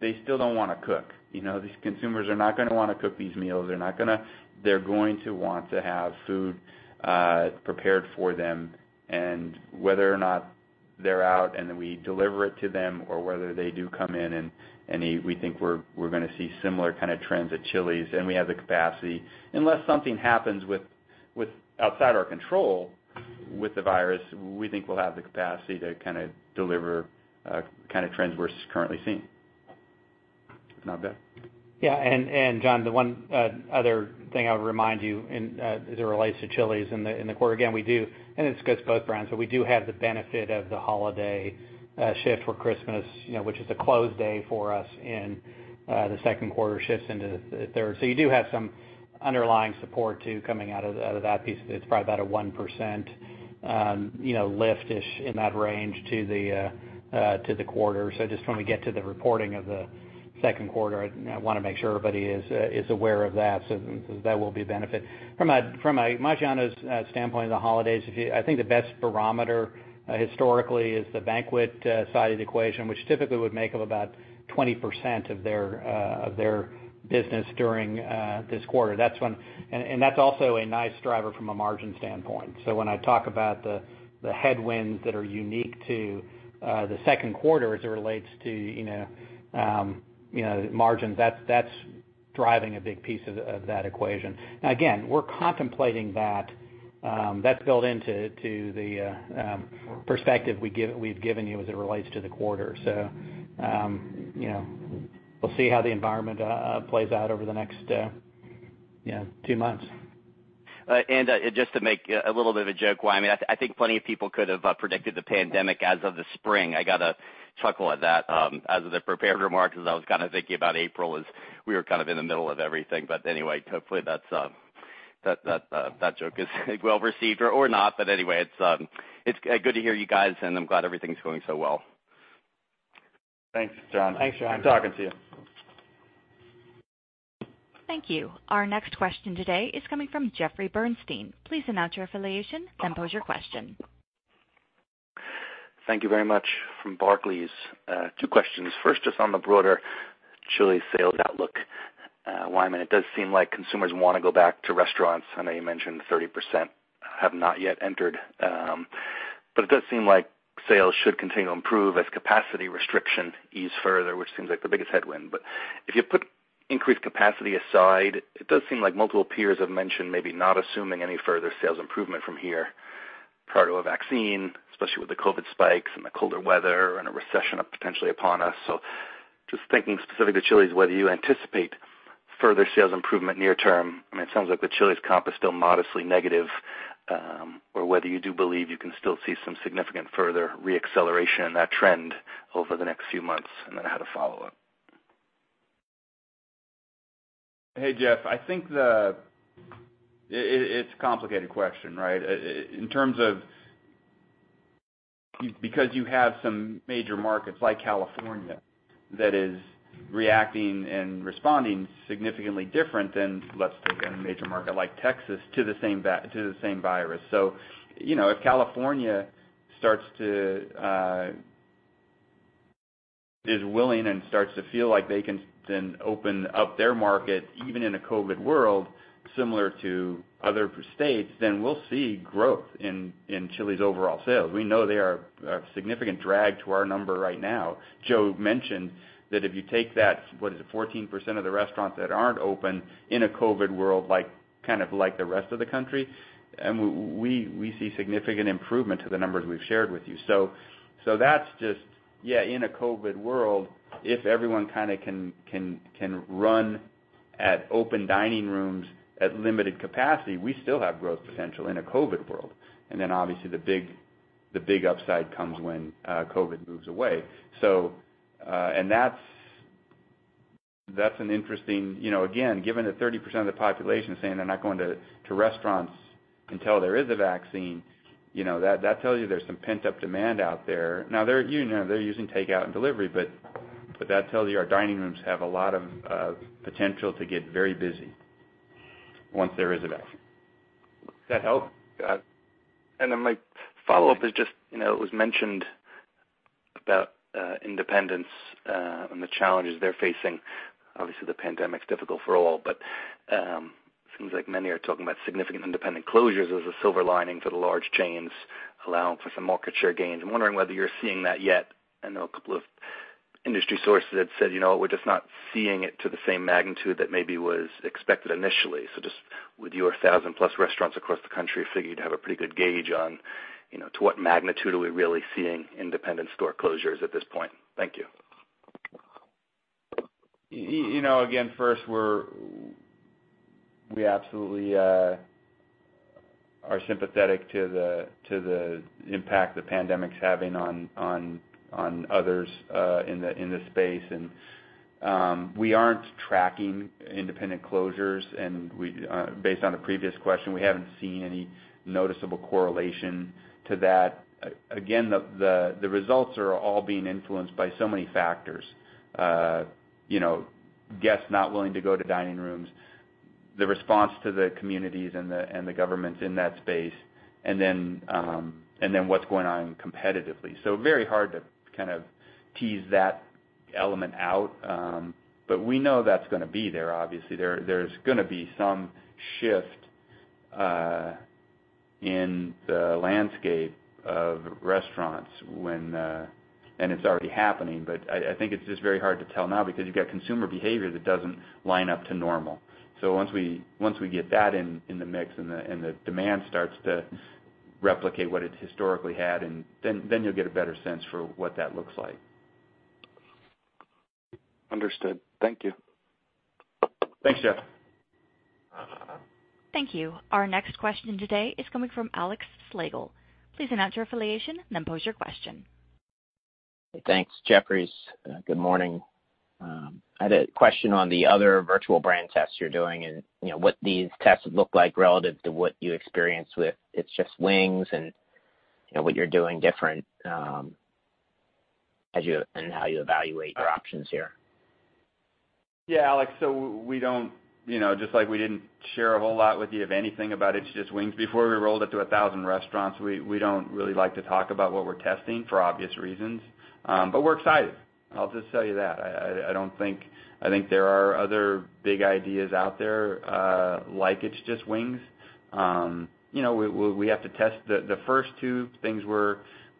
they still don't want to cook. These consumers are not going to want to cook these meals. They're going to want to have food prepared for them and whether or not they're out and then we deliver it to them, or whether they do come in and we think we're going to see similar trends at Chili's. We have the capacity. Unless something happens outside our control with the virus, we think we'll have the capacity to deliver trends we're currently seeing. Not bad. John, the one other thing I would remind you as it relates to Chili's in the quarter. Again, we do, and this goes to both brands, but we do have the benefit of the holiday shift where Christmas, which is a closed day for us in the second quarter, shifts into the third. You do have some underlying support too, coming out of that piece. It's probably about a 1% lift-ish in that range to the quarter. Just when we get to the reporting of the second quarter, I want to make sure everybody is aware of that. That will be a benefit. From a Maggiano's standpoint in the holidays, I think the best barometer historically is the banquet-sided equation, which typically would make up about 20% of their business during this quarter. That's also a nice driver from a margin standpoint. When I talk about the headwinds that are unique to the second quarter as it relates to margins, that's driving a big piece of that equation. Again, we're contemplating that. That's built into the perspective we've given you as it relates to the quarter. We'll see how the environment plays out over the next two months. Just to make a little bit of a joke, Wyman, I think plenty of people could have predicted the pandemic as of the spring. I got a chuckle at that out of the prepared remarks, as I was kind of thinking about April as we were kind of in the middle of everything. Hopefully that joke is well-received or not. Anyway, it's good to hear you guys, and I'm glad everything's going so well. Thanks, John. Thanks, John. Good talking to you. Thank you. Our next question today is coming from Jeffrey Bernstein. Please announce your affiliation, then pose your question. Thank you very much. From Barclays. Two questions. First, just on the broader Chili's sales outlook. Wyman, it does seem like consumers want to go back to restaurants. I know you mentioned 30% have not yet entered. It does seem like sales should continue to improve as capacity restriction ease further, which seems like the biggest headwind. If you put increased capacity aside, it does seem like multiple peers have mentioned maybe not assuming any further sales improvement from here prior to a vaccine, especially with the COVID spikes and the colder weather and a recession potentially upon us. Just thinking specific to Chili's, whether you anticipate further sales improvement near term. I mean, it sounds like the Chili's comp is still modestly negative. Whether you do believe you can still see some significant further re-acceleration in that trend over the next few months, and then I had a follow-up. Hey, Jeff. I think it's a complicated question, right? Because you have some major markets like California that is reacting and responding significantly different than, let's take a major market like Texas to the same virus. If California is willing and starts to feel like they can then open up their market, even in a COVID world similar to other states, then we'll see growth in Chili's overall sales. We know they are a significant drag to our number right now. Joe mentioned that if you take that, what is it, 14% of the restaurants that aren't open in a COVID world kind of like the rest of the country, and we see significant improvement to the numbers we've shared with you. That's just, in a COVID world, if everyone kind of can run at open dining rooms at limited capacity, we still have growth potential in a COVID world. Obviously the big upside comes when COVID moves away. Again, given that 30% of the population saying they're not going to restaurants until there is a vaccine, that tells you there's some pent-up demand out there. Now, they're using takeout and delivery, but that tells you our dining rooms have a lot of potential to get very busy once there is a vaccine. Does that help? My follow-up is just, it was mentioned about independents, and the challenges they're facing. Obviously, the pandemic's difficult for all, but it seems like many are talking about significant independent closures as a silver lining for the large chains, allowing for some market share gains. I'm wondering whether you're seeing that yet. I know a couple of industry sources that said, "We're just not seeing it to the same magnitude that maybe was expected initially." Just with your 1,000+ restaurants across the country, figure you'd have a pretty good gauge on to what magnitude are we really seeing independent store closures at this point. Thank you. First, we absolutely are sympathetic to the impact the pandemic's having on others in the space. We aren't tracking independent closures, and based on the previous question, we haven't seen any noticeable correlation to that. The results are all being influenced by so many factors. Guests not willing to go to dining rooms, the response to the communities and the governments in that space, and then what's going on competitively. Very hard to kind of tease that element out. We know that's going to be there. Obviously, there's going to be some shift in the landscape of restaurants. It's already happening, but I think it's just very hard to tell now because you've got consumer behavior that doesn't line up to normal. Once we get that in the mix and the demand starts to replicate what it's historically had, and then you'll get a better sense for what that looks like. Understood. Thank you. Thanks, Jeff. Thank you. Our next question today is coming from Alex Slagle. Please announce your affiliation and then pose your question. Thanks. Jefferies. Good morning. I had a question on the other virtual brand tests you're doing and what these tests look like relative to what you experienced with It's Just Wings, and what you're doing different, and how you evaluate your options here. Alex, just like we didn't share a whole lot with you of anything about It's Just Wings before we rolled it to 1,000 restaurants, we don't really like to talk about what we're testing for obvious reasons. We're excited, I'll just tell you that. I think there are other big ideas out there like It's Just Wings. We have to test. The first two things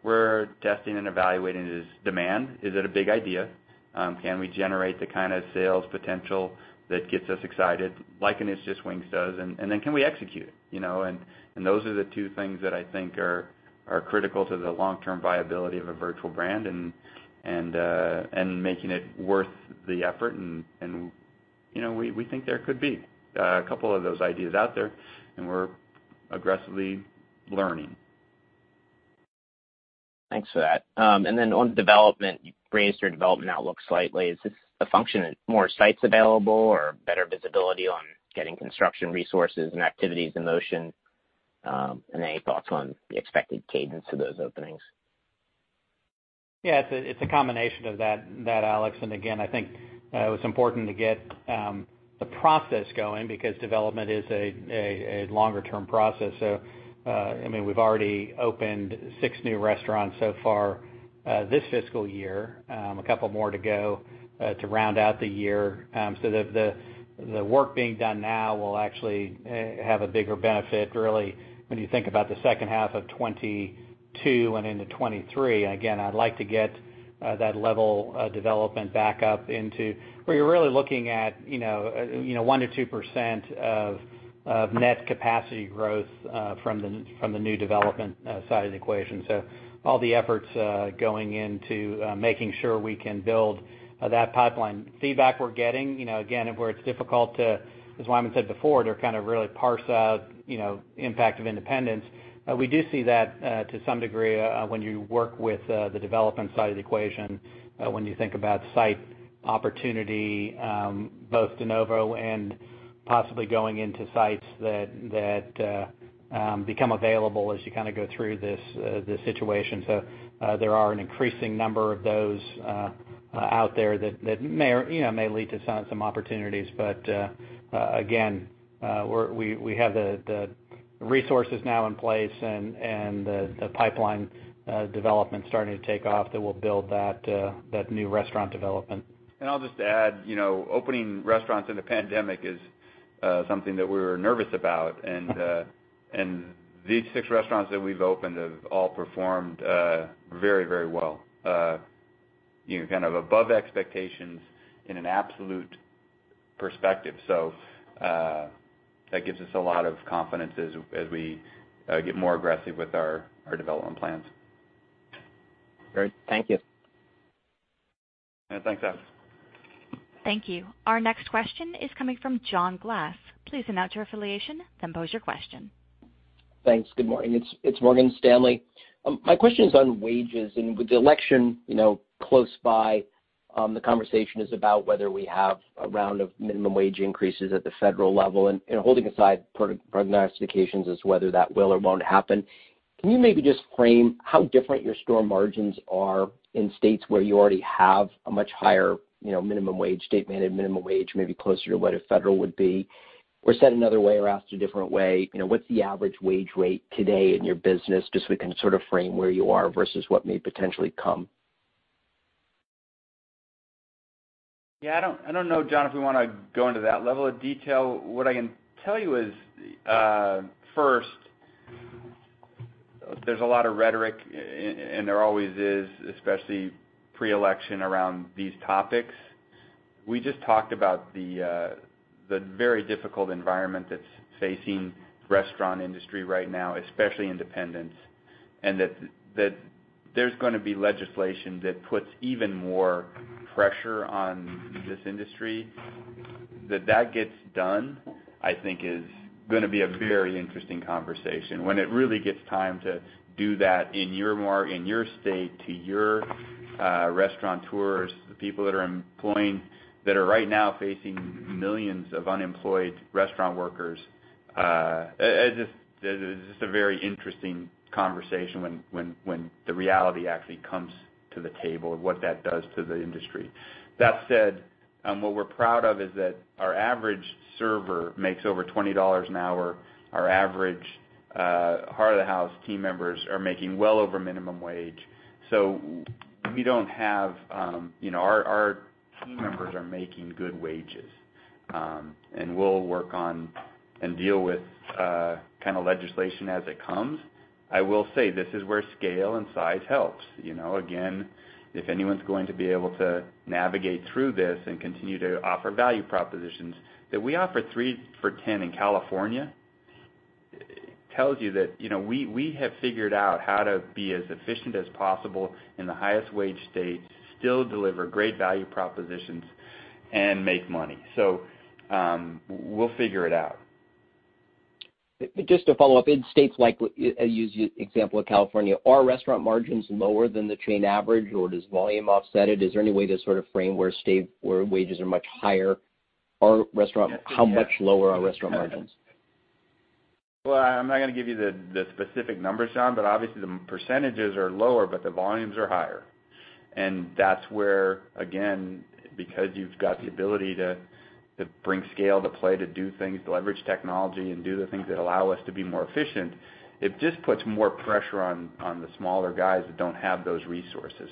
we're testing and evaluating is demand. Is it a big idea? Can we generate the kind of sales potential that gets us excited, like an It's Just Wings does? Then can we execute? Those are the two things that I think are critical to the long-term viability of a virtual brand and making it worth the effort, and we think there could be a couple of those ideas out there, and we're aggressively learning. Thanks for that. On development, you've raised your development outlook slightly. Is this a function of more sites available or better visibility on getting construction resources and activities in motion? Any thoughts on the expected cadence of those openings? Yeah. It's a combination of that, Alex, and again, I think it was important to get the process going because development is a longer-term process. We've already opened six new restaurants so far this fiscal year. A couple of more to go to round out the year. The work being done now will actually have a bigger benefit really when you think about the second half of 2022 and into 2023. I'd like to get that level of development back up into where you're really looking at 1%-2% of net capacity growth from the new development side of the equation. All the efforts are going into making sure we can build that pipeline. Feedback we're getting, again, where it's difficult to, as Wyman said before, to kind of really parse out impact of independents. We do see that to some degree when you work with the development side of the equation, when you think about site opportunity, both de novo and possibly going into sites that become available as you go through this situation. There are an increasing number of those out there that may lead to some opportunities. Again, we have the resources now in place and the pipeline development starting to take off that will build that new restaurant development. I'll just add, opening restaurants in the pandemic is something that we were nervous about, and these six restaurants that we've opened have all performed very well. Kind of above expectations in an absolute perspective. That gives us a lot of confidence as we get more aggressive with our development plans. Great. Thank you. Yeah. Thanks, Alex. Thank you. Our next question is coming from John Glass. Please announce your affiliation, then pose your question. Thanks. Good morning. It's Morgan Stanley. My question is on wages, and with the election close by, the conversation is about whether we have a round of minimum wage increases at the federal level, and holding aside prognostications as whether that will or won't happen, can you maybe just frame how different your store margins are in states where you already have a much higher state minimum wage, maybe closer to what a federal would be? Said another way or asked a different way, what's the average wage rate today in your business, just so we can sort of frame where you are versus what may potentially come? Yeah, I don't know, John, if we want to go into that level of detail. What I can tell you is, first, there's a lot of rhetoric, and there always is, especially pre-election, around these topics. We just talked about the very difficult environment that's facing restaurant industry right now, especially independents, that there's going to be legislation that puts even more pressure on this industry. That gets done, I think, is going to be a very interesting conversation. When it really gets time to do that in your state to your restaurateurs, the people that are employing, that are right now facing millions of unemployed restaurant workers. It's just a very interesting conversation when the reality actually comes to the table of what that does to the industry. That said, what we're proud of is that our average server makes over $20 an hour. Our average heart of the house team members are making well over minimum wage. Our team members are making good wages. We'll work on and deal with legislation as it comes. I will say this is where scale and size helps. If anyone's going to be able to navigate through this and continue to offer value propositions, that we offer three for $10 in California tells you that we have figured out how to be as efficient as possible in the highest wage state, still deliver great value propositions, and make money. We'll figure it out. Just to follow up. In states like, I use the example of California, are restaurant margins lower than the chain average, or does volume offset it? Is there any way to sort of frame where wages are much higher? How much lower are restaurant margins? Well, I'm not going to give you the specific numbers, John, but obviously, the percentages are lower, but the volumes are higher. That's where, again, because you've got the ability to bring scale to play, to do things, to leverage technology and do the things that allow us to be more efficient, it just puts more pressure on the smaller guys that don't have those resources.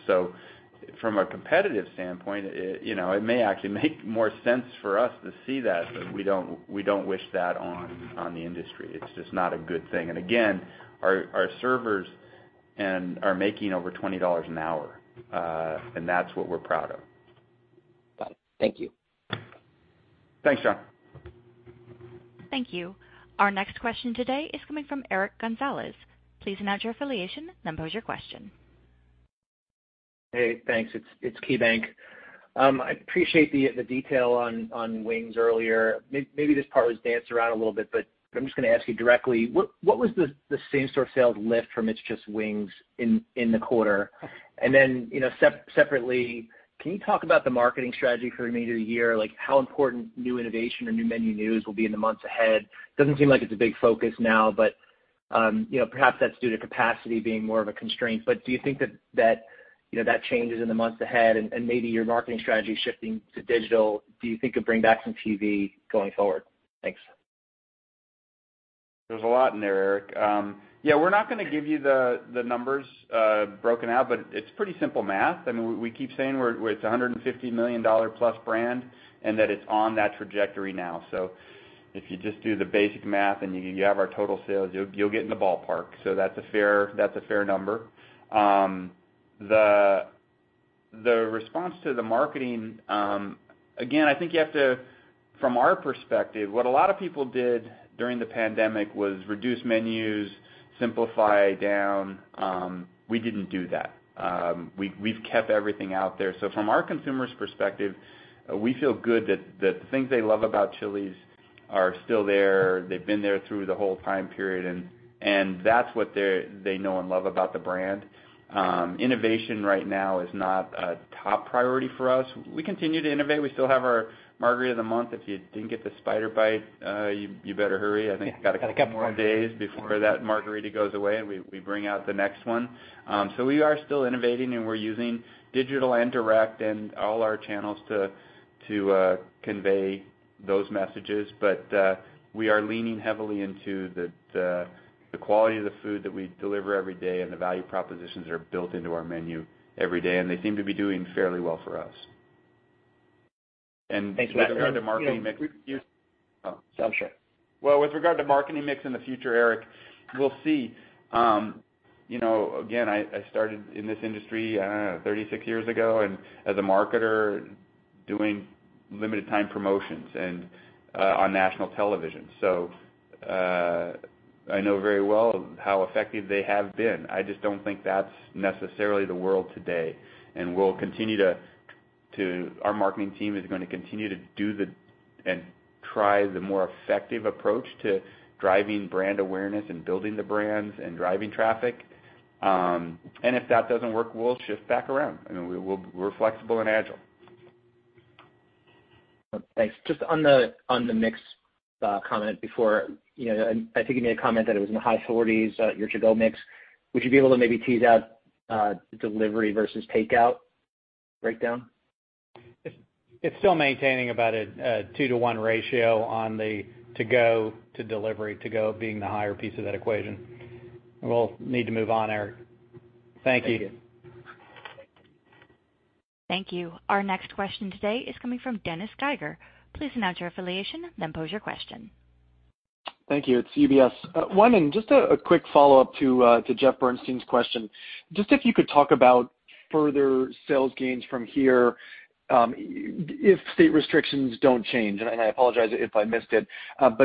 From a competitive standpoint, it may actually make more sense for us to see that, but we don't wish that on the industry. It's just not a good thing. Again, our servers are making over $20 an hour, and that's what we're proud of. Got it. Thank you. Thanks, John. Thank you. Our next question today is coming from Eric Gonzalez. Please announce your affiliation, then pose your question. Hey, thanks. It's KeyBanc. I appreciate the detail on wings earlier. Maybe this part was danced around a little bit, I'm just going to ask you directly, what was the same-store sales lift from It's Just Wings in the quarter? Separately, can you talk about the marketing strategy for the remainder of the year, like how important new innovation or new menu news will be in the months ahead? It doesn't seem like it's a big focus now, perhaps that's due to capacity being more of a constraint. Do you think that changes in the months ahead and maybe your marketing strategy shifting to digital, do you think could bring back some TV going forward? Thanks. There's a lot in there, Eric. We're not going to give you the numbers broken out, but it's pretty simple math. I mean, we keep saying it's a $150 million plus brand and that it's on that trajectory now. If you just do the basic math and you have our total sales, you'll get in the ballpark. That's a fair number. The response to the marketing, again, I think from our perspective, what a lot of people did during the pandemic was reduce menus, simplify down. We didn't do that. We've kept everything out there. From our consumer's perspective, we feel good that the things they love about Chili's are still there. They've been there through the whole time period, that's what they know and love about the brand. Innovation right now is not a top priority for us. We continue to innovate. We still have our Margarita of the Month. If you didn't get the Spider Bite, you better hurry. I think you've got a couple more days before that Margarita goes away, and we bring out the next one. We are still innovating, and we're using digital and direct and all our channels to convey those messages. We are leaning heavily into the quality of the food that we deliver every day and the value propositions that are built into our menu every day, and they seem to be doing fairly well for us. With regard to marketing mix. Thanks. Yeah. Sound check. With regard to marketing mix in the future, Eric, we'll see. Again, I started in this industry, I don't know, 36 years ago, and as a marketer doing limited time promotions on national television. I know very well how effective they have been. I just don't think that's necessarily the world today. Our marketing team is going to continue to do and try the more effective approach to driving brand awareness and building the brands and driving traffic. If that doesn't work, we'll shift back around. We're flexible and agile. Thanks. On the mix comment before, I think you made a comment that it was in the high 40s, your to-go mix. Would you be able to maybe tease out delivery versus takeout breakdown? It's still maintaining about a 2:1 ratio on the to-go to delivery, to-go being the higher piece of that equation. We'll need to move on, Eric. Thank you. Thank you. Thank you. Our next question today is coming from Dennis Geiger. Please announce your affiliation, then pose your question. Thank you. It's UBS. One, just a quick follow-up to Jeff Bernstein's question. Just if you could talk about further sales gains from here if state restrictions don't change. I apologize if I missed it.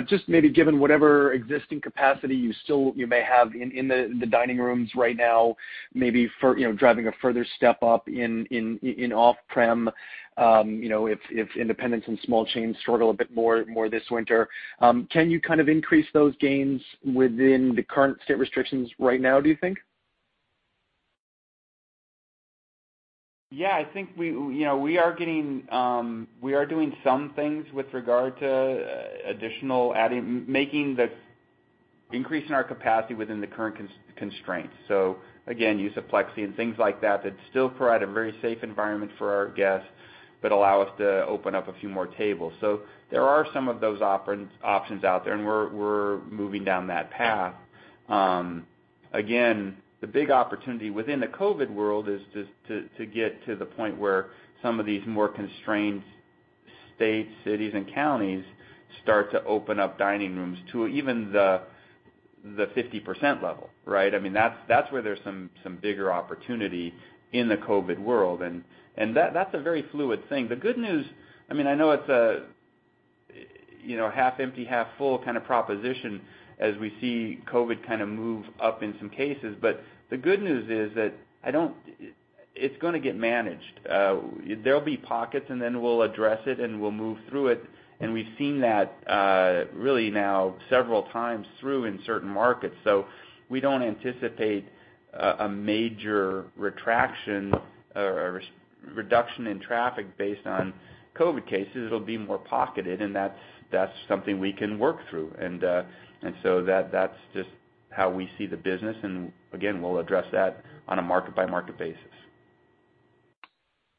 Just maybe given whatever existing capacity you may have in the dining rooms right now, maybe driving a further step up in off-prem if independents and small chains struggle a bit more this winter. Can you kind of increase those gains within the current state restrictions right now, do you think? Yeah, I think we are doing some things with regard to making the increase in our capacity within the current constraints. Again, use of plexi and things like that still provide a very safe environment for our guests but allow us to open up a few more tables. There are some of those options out there, and we're moving down that path. Again, the big opportunity within the COVID world is to get to the point where some of these more constrained states, cities, and counties start to open up dining rooms to even the 50% level, right? I mean, that's where there's some bigger opportunity in the COVID world, and that's a very fluid thing. The good news, I mean, I know it's half empty, half full kind of proposition as we see COVID kind of move up in some cases. The good news is that it's going to get managed. There'll be pockets and then we'll address it and we'll move through it, and we've seen that really now several times through in certain markets. We don't anticipate a major retraction or a reduction in traffic based on COVID cases. It'll be more pocketed and that's something we can work through. That's just how we see the business and again, we'll address that on a market by market basis.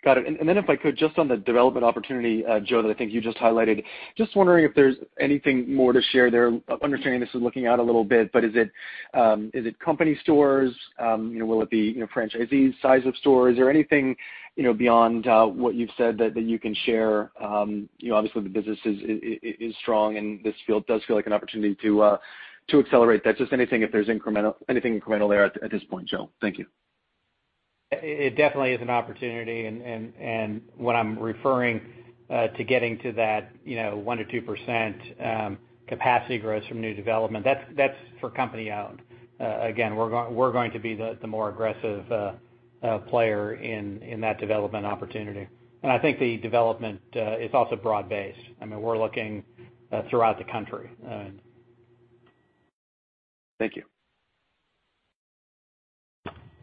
Got it. If I could, just on the development opportunity, Joe, that I think you just highlighted, just wondering if there's anything more to share there. Understanding this is looking out a little bit, is it company stores? Will it be franchisees, size of stores? Is there anything beyond what you've said that you can share? Obviously the business is strong and this does feel like an opportunity to accelerate that. Just anything if there's anything incremental there at this point, Joe. Thank you. It definitely is an opportunity and what I'm referring to getting to that 1%-2% capacity growth from new development, that's for company-owned. Again, we're going to be the more aggressive player in that development opportunity. I think the development is also broad-based. I mean, we're looking throughout the country. Thank you.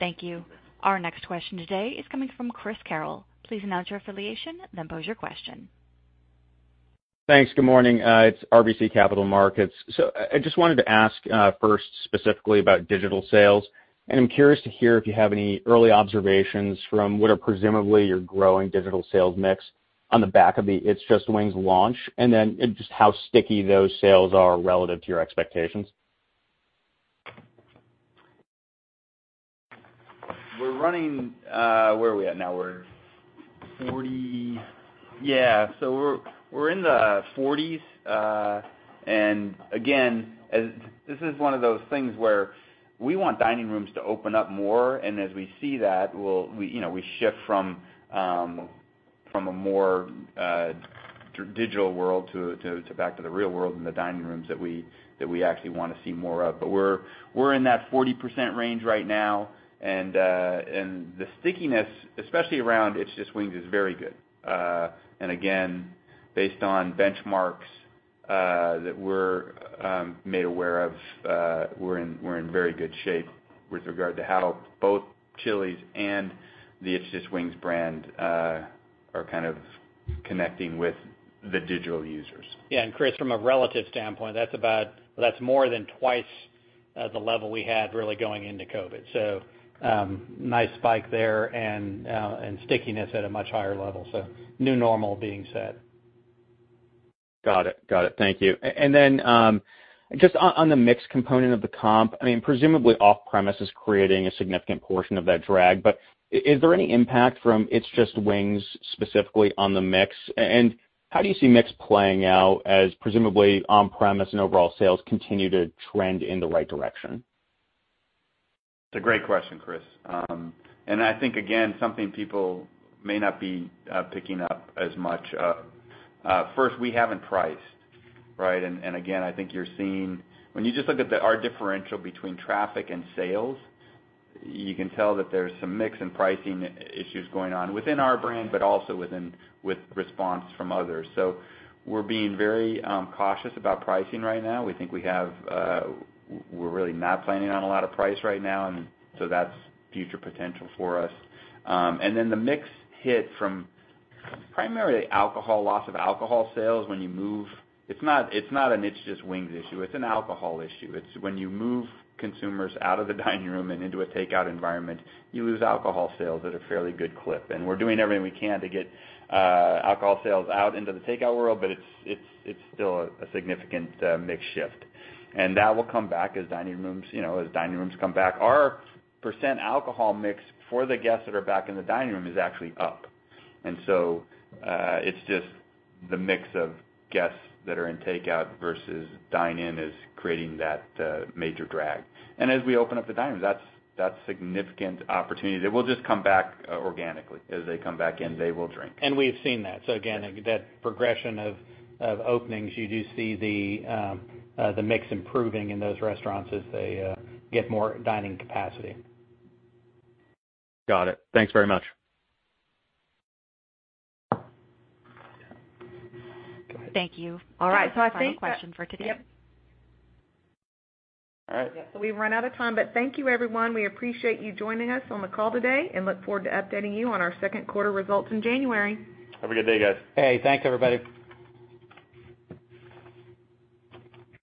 Thank you. Our next question today is coming from Chris Carrill. Please announce your affiliation, then pose your question. Thanks. Good morning. It's RBC Capital Markets. I just wanted to ask, first specifically about digital sales, and I'm curious to hear if you have any early observations from what are presumably your growing digital sales mix on the back of the It's Just Wings launch, and then just how sticky those sales are relative to your expectations. Where are we at now? We're 40. We're in the 40s. Again, this is one of those things where we want dining rooms to open up more, and as we see that, we shift from a more digital world back to the real world in the dining rooms that we actually want to see more of. We're in that 40% range right now. The stickiness, especially around It's Just Wings, is very good. Again, based on benchmarks that we're made aware of, we're in very good shape with regard to how both Chili's and the It's Just Wings brand are kind of connecting with the digital users. Yeah. Chris, from a relative standpoint, that's more than twice the level we had really going into COVID. Nice spike there and stickiness at a much higher level. New normal being set. Got it. Thank you. Then, just on the mix component of the comp, I mean, presumably off-premise is creating a significant portion of that drag, but is there any impact from It's Just Wings specifically on the mix? How do you see mix playing out as presumably on-premise and overall sales continue to trend in the right direction? It's a great question, Chris. I think, again, something people may not be picking up as much. First, we haven't priced, right? Again, I think when you just look at our differential between traffic and sales, you can tell that there's some mix and pricing issues going on within our brand, but also with response from others. We're being very cautious about pricing right now. We're really not planning on a lot of price right now, that's future potential for us. The mix hit from primarily loss of alcohol sales when you move. It's not an It's Just Wings issue, it's an alcohol issue. It's when you move consumers out of the dining room and into a takeout environment, you lose alcohol sales at a fairly good clip. We're doing everything we can to get alcohol sales out into the takeout world, but it's still a significant mix shift. That will come back as dining rooms come back. Our percent alcohol mix for the guests that are back in the dining room is actually up. It's just the mix of guests that are in takeout versus dine-in is creating that major drag. As we open up the dining rooms, that's significant opportunity. They will just come back organically. As they come back in, they will drink. We've seen that. Again, that progression of openings, you do see the mix improving in those restaurants as they get more dining capacity. Got it. Thanks very much. Thank you. All right. Final question for today. All right. We've run out of time, but thank you, everyone. We appreciate you joining us on the call today and look forward to updating you on our second quarter results in January. Have a good day, guys. Hey, thanks everybody.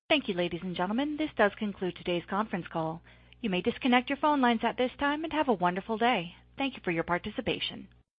Thank you, ladies and gentlemen. This does conclude today's conference call. You may disconnect your phone lines at this time and have a wonderful day. Thank you for your participation.